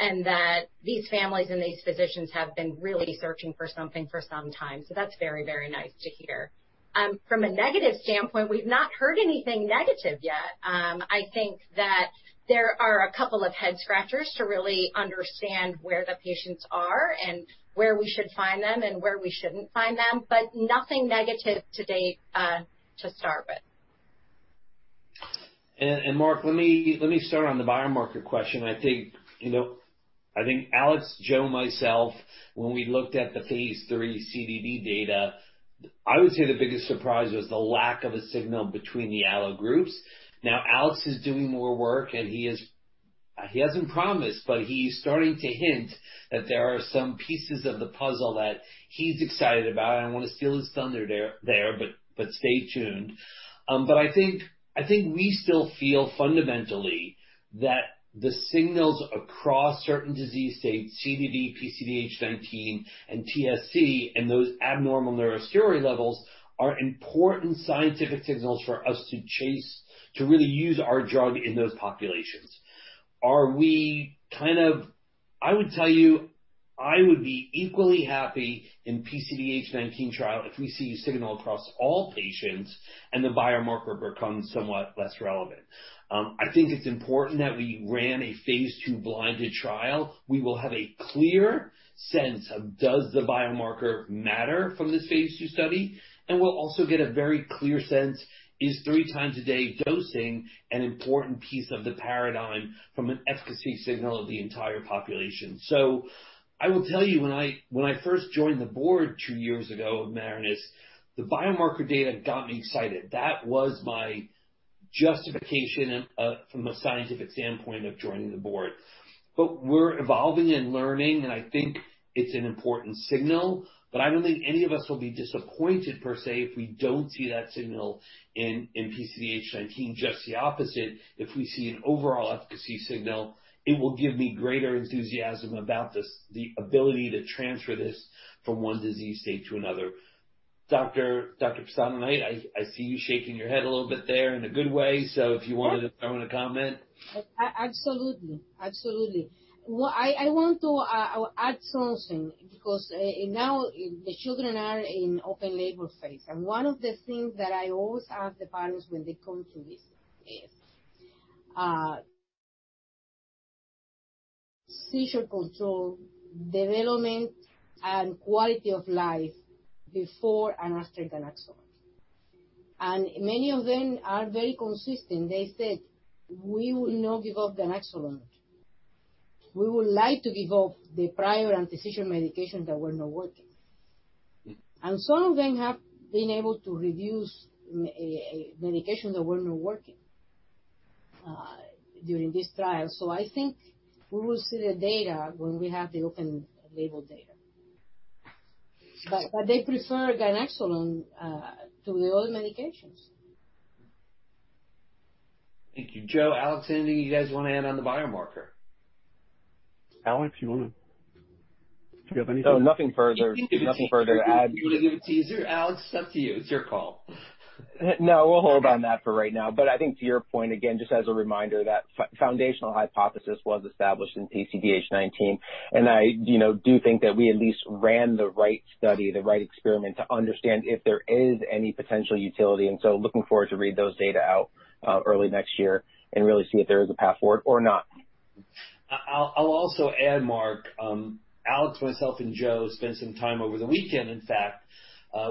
and that these families and these physicians have been really searching for something for some time. That's very, very nice to hear. From a negative standpoint, we've not heard anything negative yet. I think that there are a couple of head scratchers to really understand where the patients are and where we should find them and where we shouldn't find them, but nothing negative to date to start with. Marc, let me start on the biomarker question. I think Alex, Joe, myself, when we looked at the phase III CDD data, I would say the biggest surprise was the lack of a signal between the ALLO groups. Alex is doing more work, and he hasn't promised, but he's starting to hint that there are some pieces of the puzzle that he's excited about. I don't want to steal his thunder there, but stay tuned. I think we still feel fundamentally that the signals across certain disease states, CDD, PCDH19, and TSC, and those abnormal neurosteroid levels are important scientific signals for us to chase to really use our drug in those populations. I would tell you, I would be equally happy in PCDH19 trial if we see a signal across all patients and the biomarker becomes somewhat less relevant. I think it's important that we ran a phase II blinded trial. We will have a clear sense of does the biomarker matter from this phase II study, and we'll also get a very clear sense is three times a day dosing an important piece of the paradigm from an efficacy signal of the entire population. I will tell you, when I first joined the board two years ago of Marinus, the biomarker data got me excited. That was my justification from a scientific standpoint of joining the board. We're evolving and learning, and I think it's an important signal, but I don't think any of us will be disappointed per se if we don't see that signal in PCDH19. Just the opposite. If we see an overall efficacy signal, it will give me greater enthusiasm about the ability to transfer this from one disease state to another. Dr. Pestana Knight, I see you shaking your head a little bit there in a good way. If you wanted to throw in a comment. Absolutely. I want to add something because now the children are in open label phase. One of the things that I always ask the parents when they come to visit is seizure control, development, and quality of life before and after ganaxolone. Many of them are very consistent. They said, "We will not give up ganaxolone. We would like to give up the prior anti-seizure medications that were not working." Some of them have been able to reduce a medication that were not working during this trial. I think we will see the data when we have the open label data. They prefer ganaxolone to the old medications. Thank you. Joe, Alex, anything you guys want to add on the biomarker? Alex, do you have anything? No, nothing further to add. You want to give a teaser, Alex? It's up to you. It's your call. No, we'll hold on that for right now. I think to your point, again, just as a reminder, that foundational hypothesis was established in PCDH19, I do think that we at least ran the right study, the right experiment, to understand if there is any potential utility. Looking forward to read those data out early next year and really see if there is a path forward or not. I'll also add, Marc, Alex, myself, and Joe spent some time over the weekend, in fact.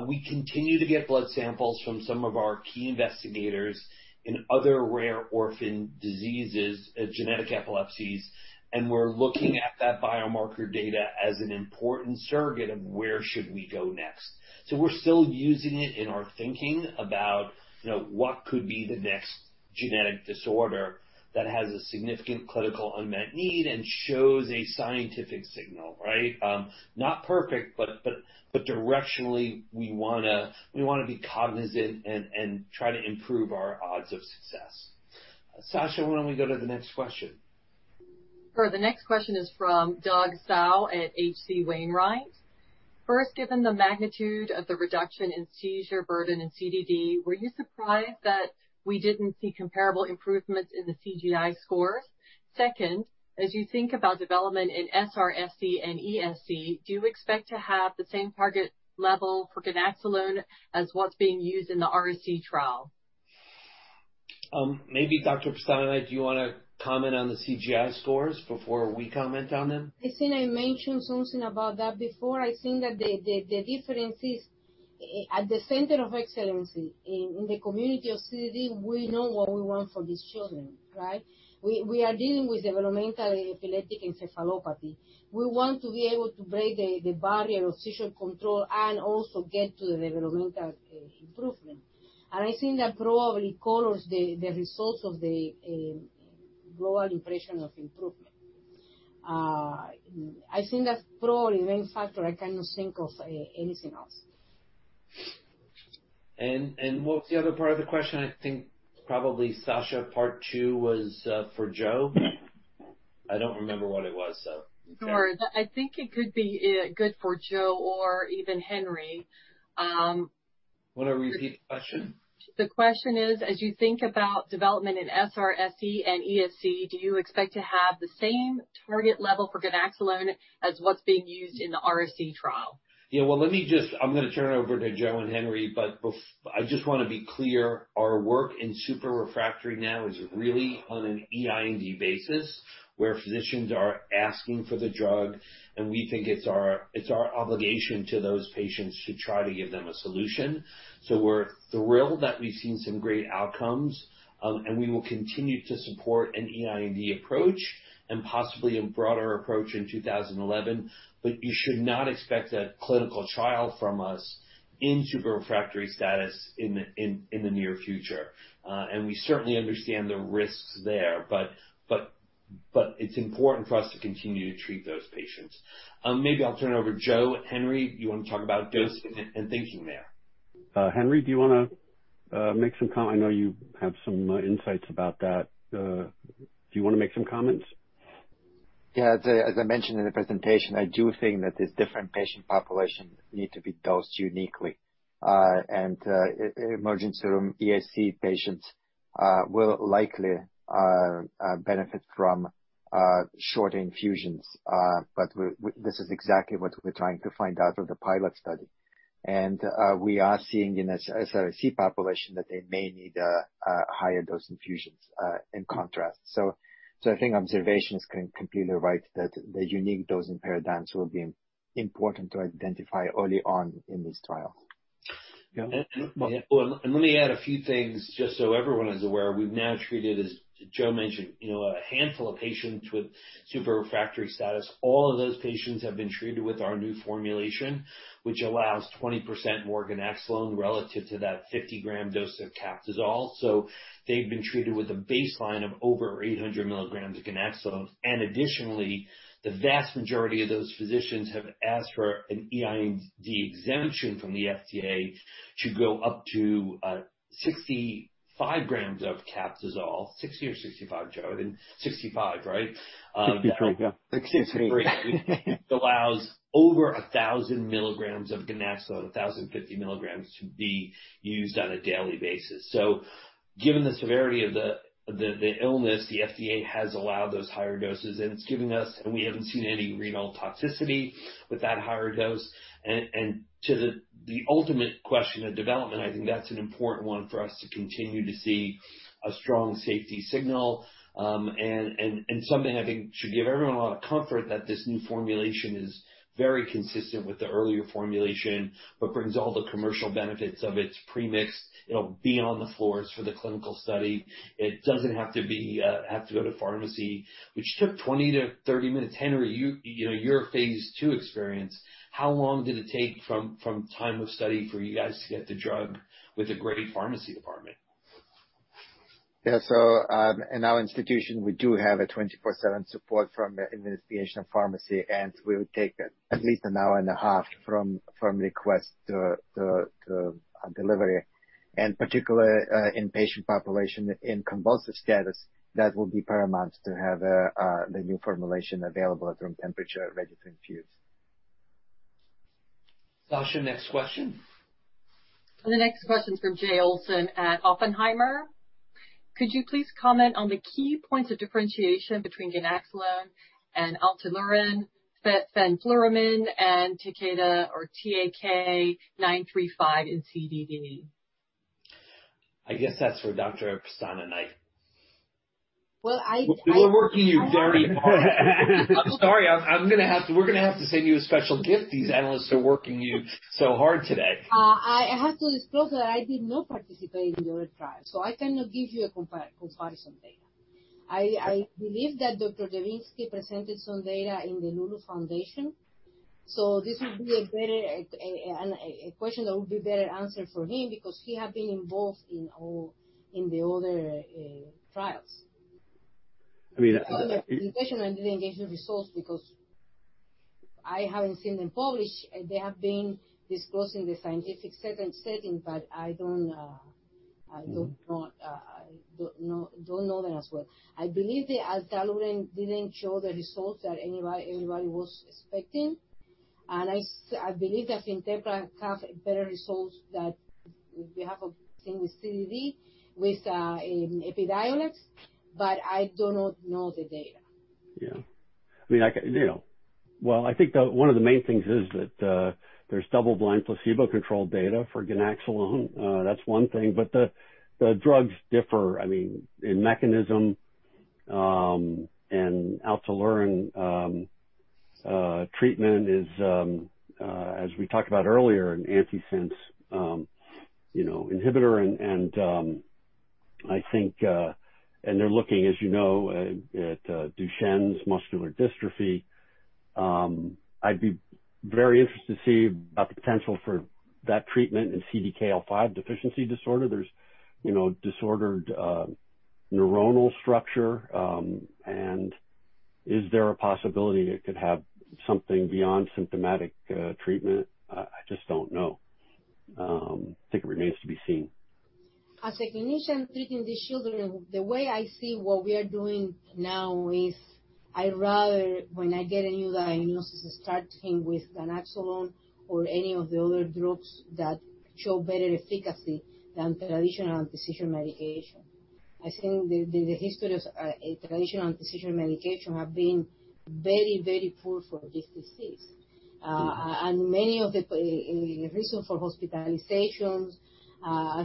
We continue to get blood samples from some of our key investigators in other rare orphan diseases, genetic epilepsies, and we're looking at that biomarker data as an important surrogate of where should we go next. We're still using it in our thinking about what could be the next genetic disorder that has a significant clinical unmet need and shows a scientific signal, right? Not perfect, but directionally, we want to be cognizant and try to improve our odds of success. Sasha, why don't we go to the next question? Sure. The next question is from Doug Tsao at H.C. Wainwright. First, given the magnitude of the reduction in seizure burden in CDD, were you surprised that we didn't see comparable improvements in the CGI scores? Second, as you think about development in SRSE and ESE, do you expect to have the same target level for ganaxolone as what's being used in the RSC trial? Maybe Dr. Pestana, do you want to comment on the CGI scores before we comment on them? I think I mentioned something about that before. I think that the differences at the Center of Excellence in the community of CDD, we know what we want for these children, right? We are dealing with developmental epileptic encephalopathy. We want to be able to break the barrier of seizure control and also get to the developmental improvement. I think that probably colors the results of the global impression of improvement. I think that's probably the main factor. I cannot think of anything else. What was the other part of the question? I think probably Sasha, part 2 was for Joe. I don't remember what it was. Sure. I think it could be good for Joe or even Henry. Want to repeat the question? The question is, as you think about development in SRSE and ESE, do you expect to have the same target level for ganaxolone as what's being used in the RSC trial? Yeah. Well, let me just I'm going to turn it over to Joe and Henry. I just want to be clear. Our work in super refractory now is really on an eIND basis where physicians are asking for the drug, and we think it's our obligation to those patients to try to give them a solution. We're thrilled that we've seen some great outcomes. We will continue to support an eIND approach and possibly a broader approach in 2011. You should not expect a clinical trial from us in super refractory status in the near future. We certainly understand the risks there, but it's important for us to continue to treat those patients. Maybe I'll turn it over. Joe, Henry, you want to talk about dosing and thinking there? Henry, do you want to make some comment? I know you have some insights about that. Do you want to make some comments? As I mentioned in the presentation, I do think that these different patient populations need to be dosed uniquely. Emerging serum [PMC] patients will likely benefit from short infusions. This is exactly what we're trying to find out with the pilot study. We are seeing in the SRSE population that they may need higher dose infusions, in contrast. I think observation is completely right that the unique dosing paradigms will be important to identify early on in this trial. Yeah. Let me add a few things just so everyone is aware. We've now treated, as Joe mentioned, a handful of patients with super refractory status. All of those patients have been treated with our new formulation, which allows 20% more ganaxolone relative to that 50 g dose of Captisol. They've been treated with a baseline of over 800 mg of ganaxolone. Additionally, the vast majority of those physicians have asked for an eIND exemption from the FDA to go up to 65 g of Captisol. 60 or 65, Joe? I think 65, right? 63, yeah. 63. Allows over 1,000 mg of ganaxolone, 1,050 mg to be used on a daily basis. Given the severity of the illness, the FDA has allowed those higher doses, and we haven't seen any renal toxicity with that higher dose. To the ultimate question of development, I think that's an important one for us to continue to see a strong safety signal. Something I think should give everyone a lot of comfort that this new formulation is very consistent with the earlier formulation, but brings all the commercial benefits of its premix. It'll be on the floors for the clinical study. It doesn't have to go to pharmacy, which took 20 to 30 minutes. Henry, your phase II experience, how long did it take from time of study for you guys to get the drug with a great pharmacy department? Yeah. In our institution, we do have a 24/7 support from the administration of pharmacy, and we would take at least an hour and a half from request to delivery. Particularly, in patient population in convulsive status, that will be paramount to have the new formulation available at room temperature, ready to infuse. Sasha, next question. The next question's from Jay Olson at Oppenheimer. Could you please comment on the key points of differentiation between ganaxolone and ataluren, fenfluramine, and Takeda or TAK-935 in CDD? I guess that's for Dr. Pestana Knight. Well. We're working you very hard. I'm sorry. We're going to have to send you a special gift. These analysts are working you so hard today. I have to disclose that I did not participate in the other trial, so I cannot give you a comparison data. I believe that Dr. Devinsky presented some data in the Loulou Foundation, so this would be a question that would be better answered for him because he had been involved in the other trials. I mean, I- The other presentation, I didn't get the results because I haven't seen them published. They have been disclosed in the scientific setting. I don't know them as well. I believe the ataluren didn't show the results that everybody was expecting. I believe that FINTEPLA have better results that we have, I think, with CDD with Epidiolex. I do not know the data. Yeah. Well, I think that one of the main things is that there's double-blind placebo control data for ganaxolone. That's one thing. The drugs differ, I mean, in mechanism, and ataluren treatment is, as we talked about earlier, an antisense inhibitor. They're looking, as you know, at Duchenne muscular dystrophy. I'd be very interested to see about the potential for that treatment in CDKL5 Deficiency Disorder. There's disordered neuronal structure, and is there a possibility it could have something beyond symptomatic treatment? I just don't know. I think it remains to be seen. As a clinician treating these children, the way I see what we are doing now is I rather, when I get a new diagnosis, start him with ganaxolone or any of the other drugs that show better efficacy than traditional repurposing medication. I think the history of traditional repurposing medication have been very poor for this disease. Many of the reason for hospitalizations,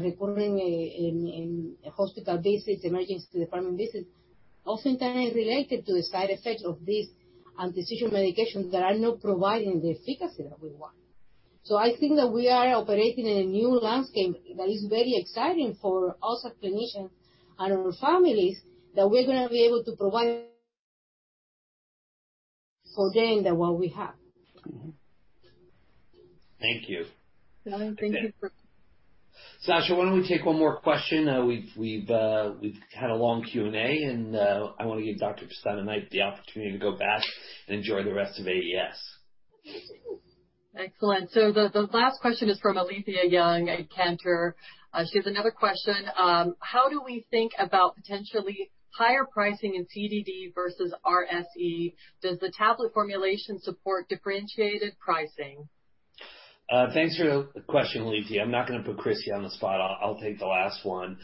recurring hospital visits, emergency department visits, oftentimes related to the side effects of these repurposing medications that are not providing the efficacy that we want. I think that we are operating in a new landscape that is very exciting for us as clinicians and our families, that we're going to be able to provide than what we have. Mm-hmm. Thank you. No, thank you. Sasha, why don't we take one more question? We've had a long Q&A, I want to give Dr. Pestana Knight the opportunity to go back and enjoy the rest of AES. Excellent. The last question is from Alethia Young at Cantor. She has another question. How do we think about potentially higher pricing in CDD versus RSE? Does the tablet formulation support differentiated pricing? Thanks for the question, Alethia. I'm not going to put Christy on the spot. I'll take the last one.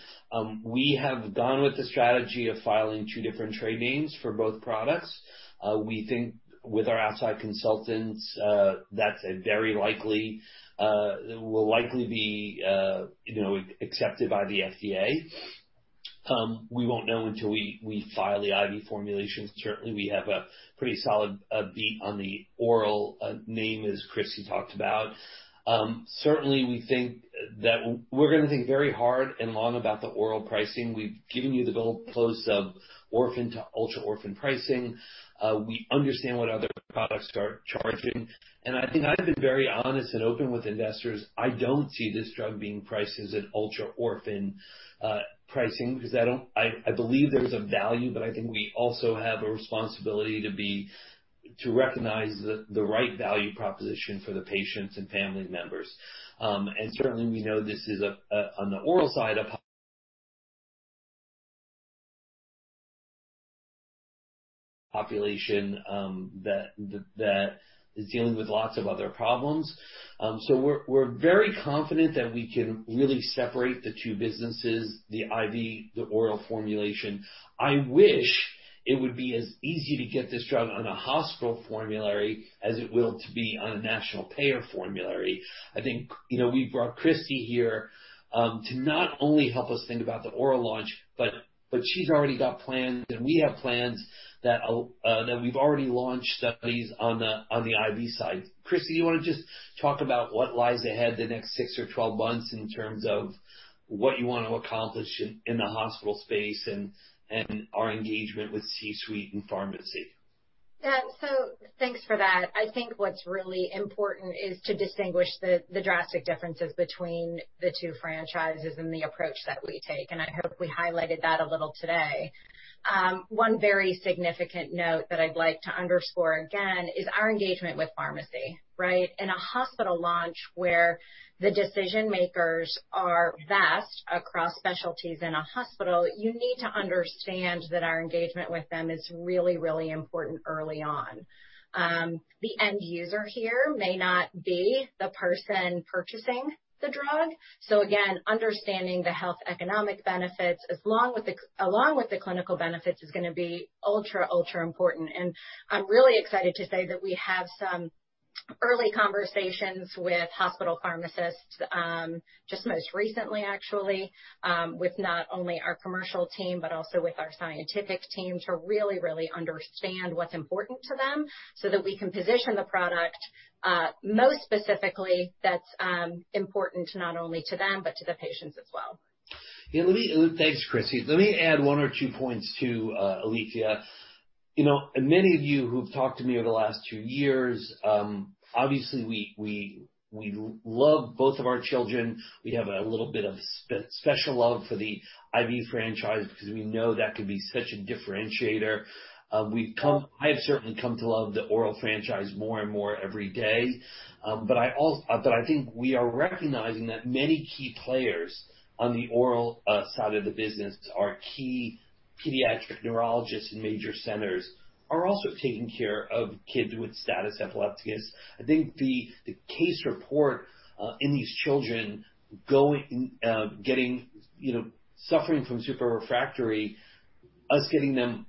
We have gone with the strategy of filing two different trade names for both products. We think with our outside consultants, that will likely be accepted by the FDA. We won't know until we file the IV formulations. Certainly, we have a pretty solid beat on the oral name, as Christy talked about. Certainly, we're going to think very hard and long about the oral pricing. We've given you the goalposts of orphan to ultra-orphan pricing. We understand what other products are charging, and I think I've been very honest and open with investors. I don't see this drug being priced as an ultra-orphan pricing because I believe there's a value, but I think we also have a responsibility to recognize the right value proposition for the patients and family members. Certainly, we know this is, on the oral side, a population that is dealing with lots of other problems. We're very confident that we can really separate the two businesses, the IV, the oral formulation. I wish it would be as easy to get this drug on a hospital formulary as it will to be on a national payer formulary. I think we brought Christy here to not only help us think about the oral launch, but she's already got plans, and we have plans that we've already launched studies on the IV side. Christy, you want to just talk about what lies ahead the next six or 12 months in terms of what you want to accomplish in the hospital space and our engagement with C-suite and pharmacy? Yeah. Thanks for that. I think what's really important is to distinguish the drastic differences between the two franchises and the approach that we take, and I hope we highlighted that a little today. One very significant note that I'd like to underscore again is our engagement with pharmacy. In a hospital launch where the decision-makers are vast across specialties in a hospital, you need to understand that our engagement with them is really important early on. The end user here may not be the person purchasing the drug. Again, understanding the health economic benefits along with the clinical benefits is going to be ultra important. I'm really excited to say that we have some early conversations with hospital pharmacists, just most recently actually, with not only our commercial team, but also with our scientific team to really understand what's important to them so that we can position the product most specifically that's important not only to them but to the patients as well. Yeah, thanks, Christy. Let me add one or two points too, Alethia. Many of you who've talked to me over the last two years, obviously we love both of our children. We have a little bit of special love for the IV franchise because we know that can be such a differentiator. I have certainly come to love the oral franchise more and more every day. I think we are recognizing that many key players on the oral side of the business are key pediatric neurologists in major centers, are also taking care of kids with status epilepticus. I think the case report in these children suffering from super-refractory, us getting them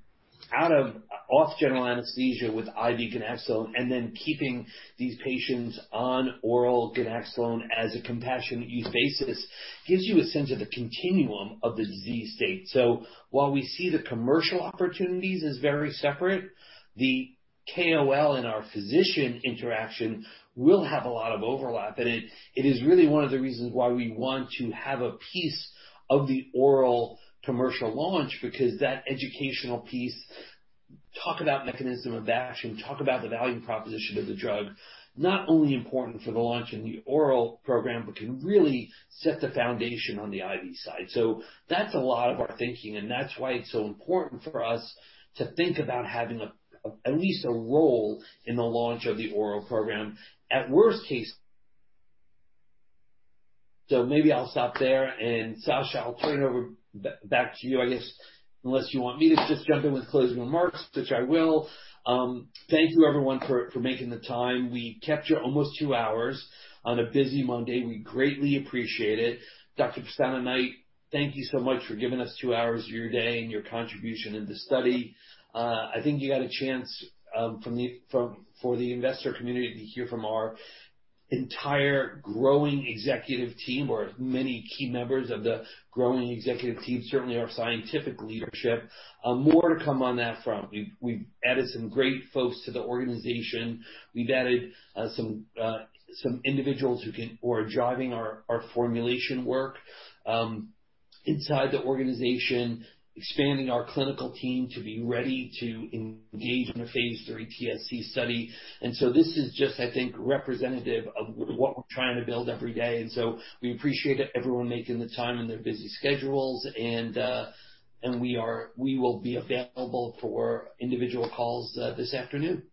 off general anesthesia with IV ganaxolone and then keeping these patients on oral ganaxolone as a compassionate use basis gives you a sense of the continuum of the disease state. While we see the commercial opportunities as very separate, the KOL and our physician interaction will have a lot of overlap. It is really one of the reasons why we want to have a piece of the oral commercial launch, because that educational piece, talk about mechanism of action, talk about the value proposition of the drug, not only important for the launch in the oral program, but can really set the foundation on the IV side. That's a lot of our thinking, and that's why it's so important for us to think about having at least a role in the launch of the oral program. Maybe I'll stop there, and Sasha, I'll turn it over back to you, I guess, unless you want me to just jump in with closing remarks, which I will. Thank you everyone for making the time. We kept you almost two hours on a busy Monday. We greatly appreciate it. Dr. Pestana Knight, thank you so much for giving us two hours of your day and your contribution in the study. I think you got a chance for the investor community to hear from our entire growing executive team, or many key members of the growing executive team, certainly our scientific leadership. More to come on that front. We've added some great folks to the organization. We've added some individuals who are driving our formulation work inside the organization, expanding our clinical team to be ready to engage in a phase III TSC study. This is just, I think, representative of what we're trying to build every day. We appreciate everyone making the time in their busy schedules. We will be available for individual calls this afternoon.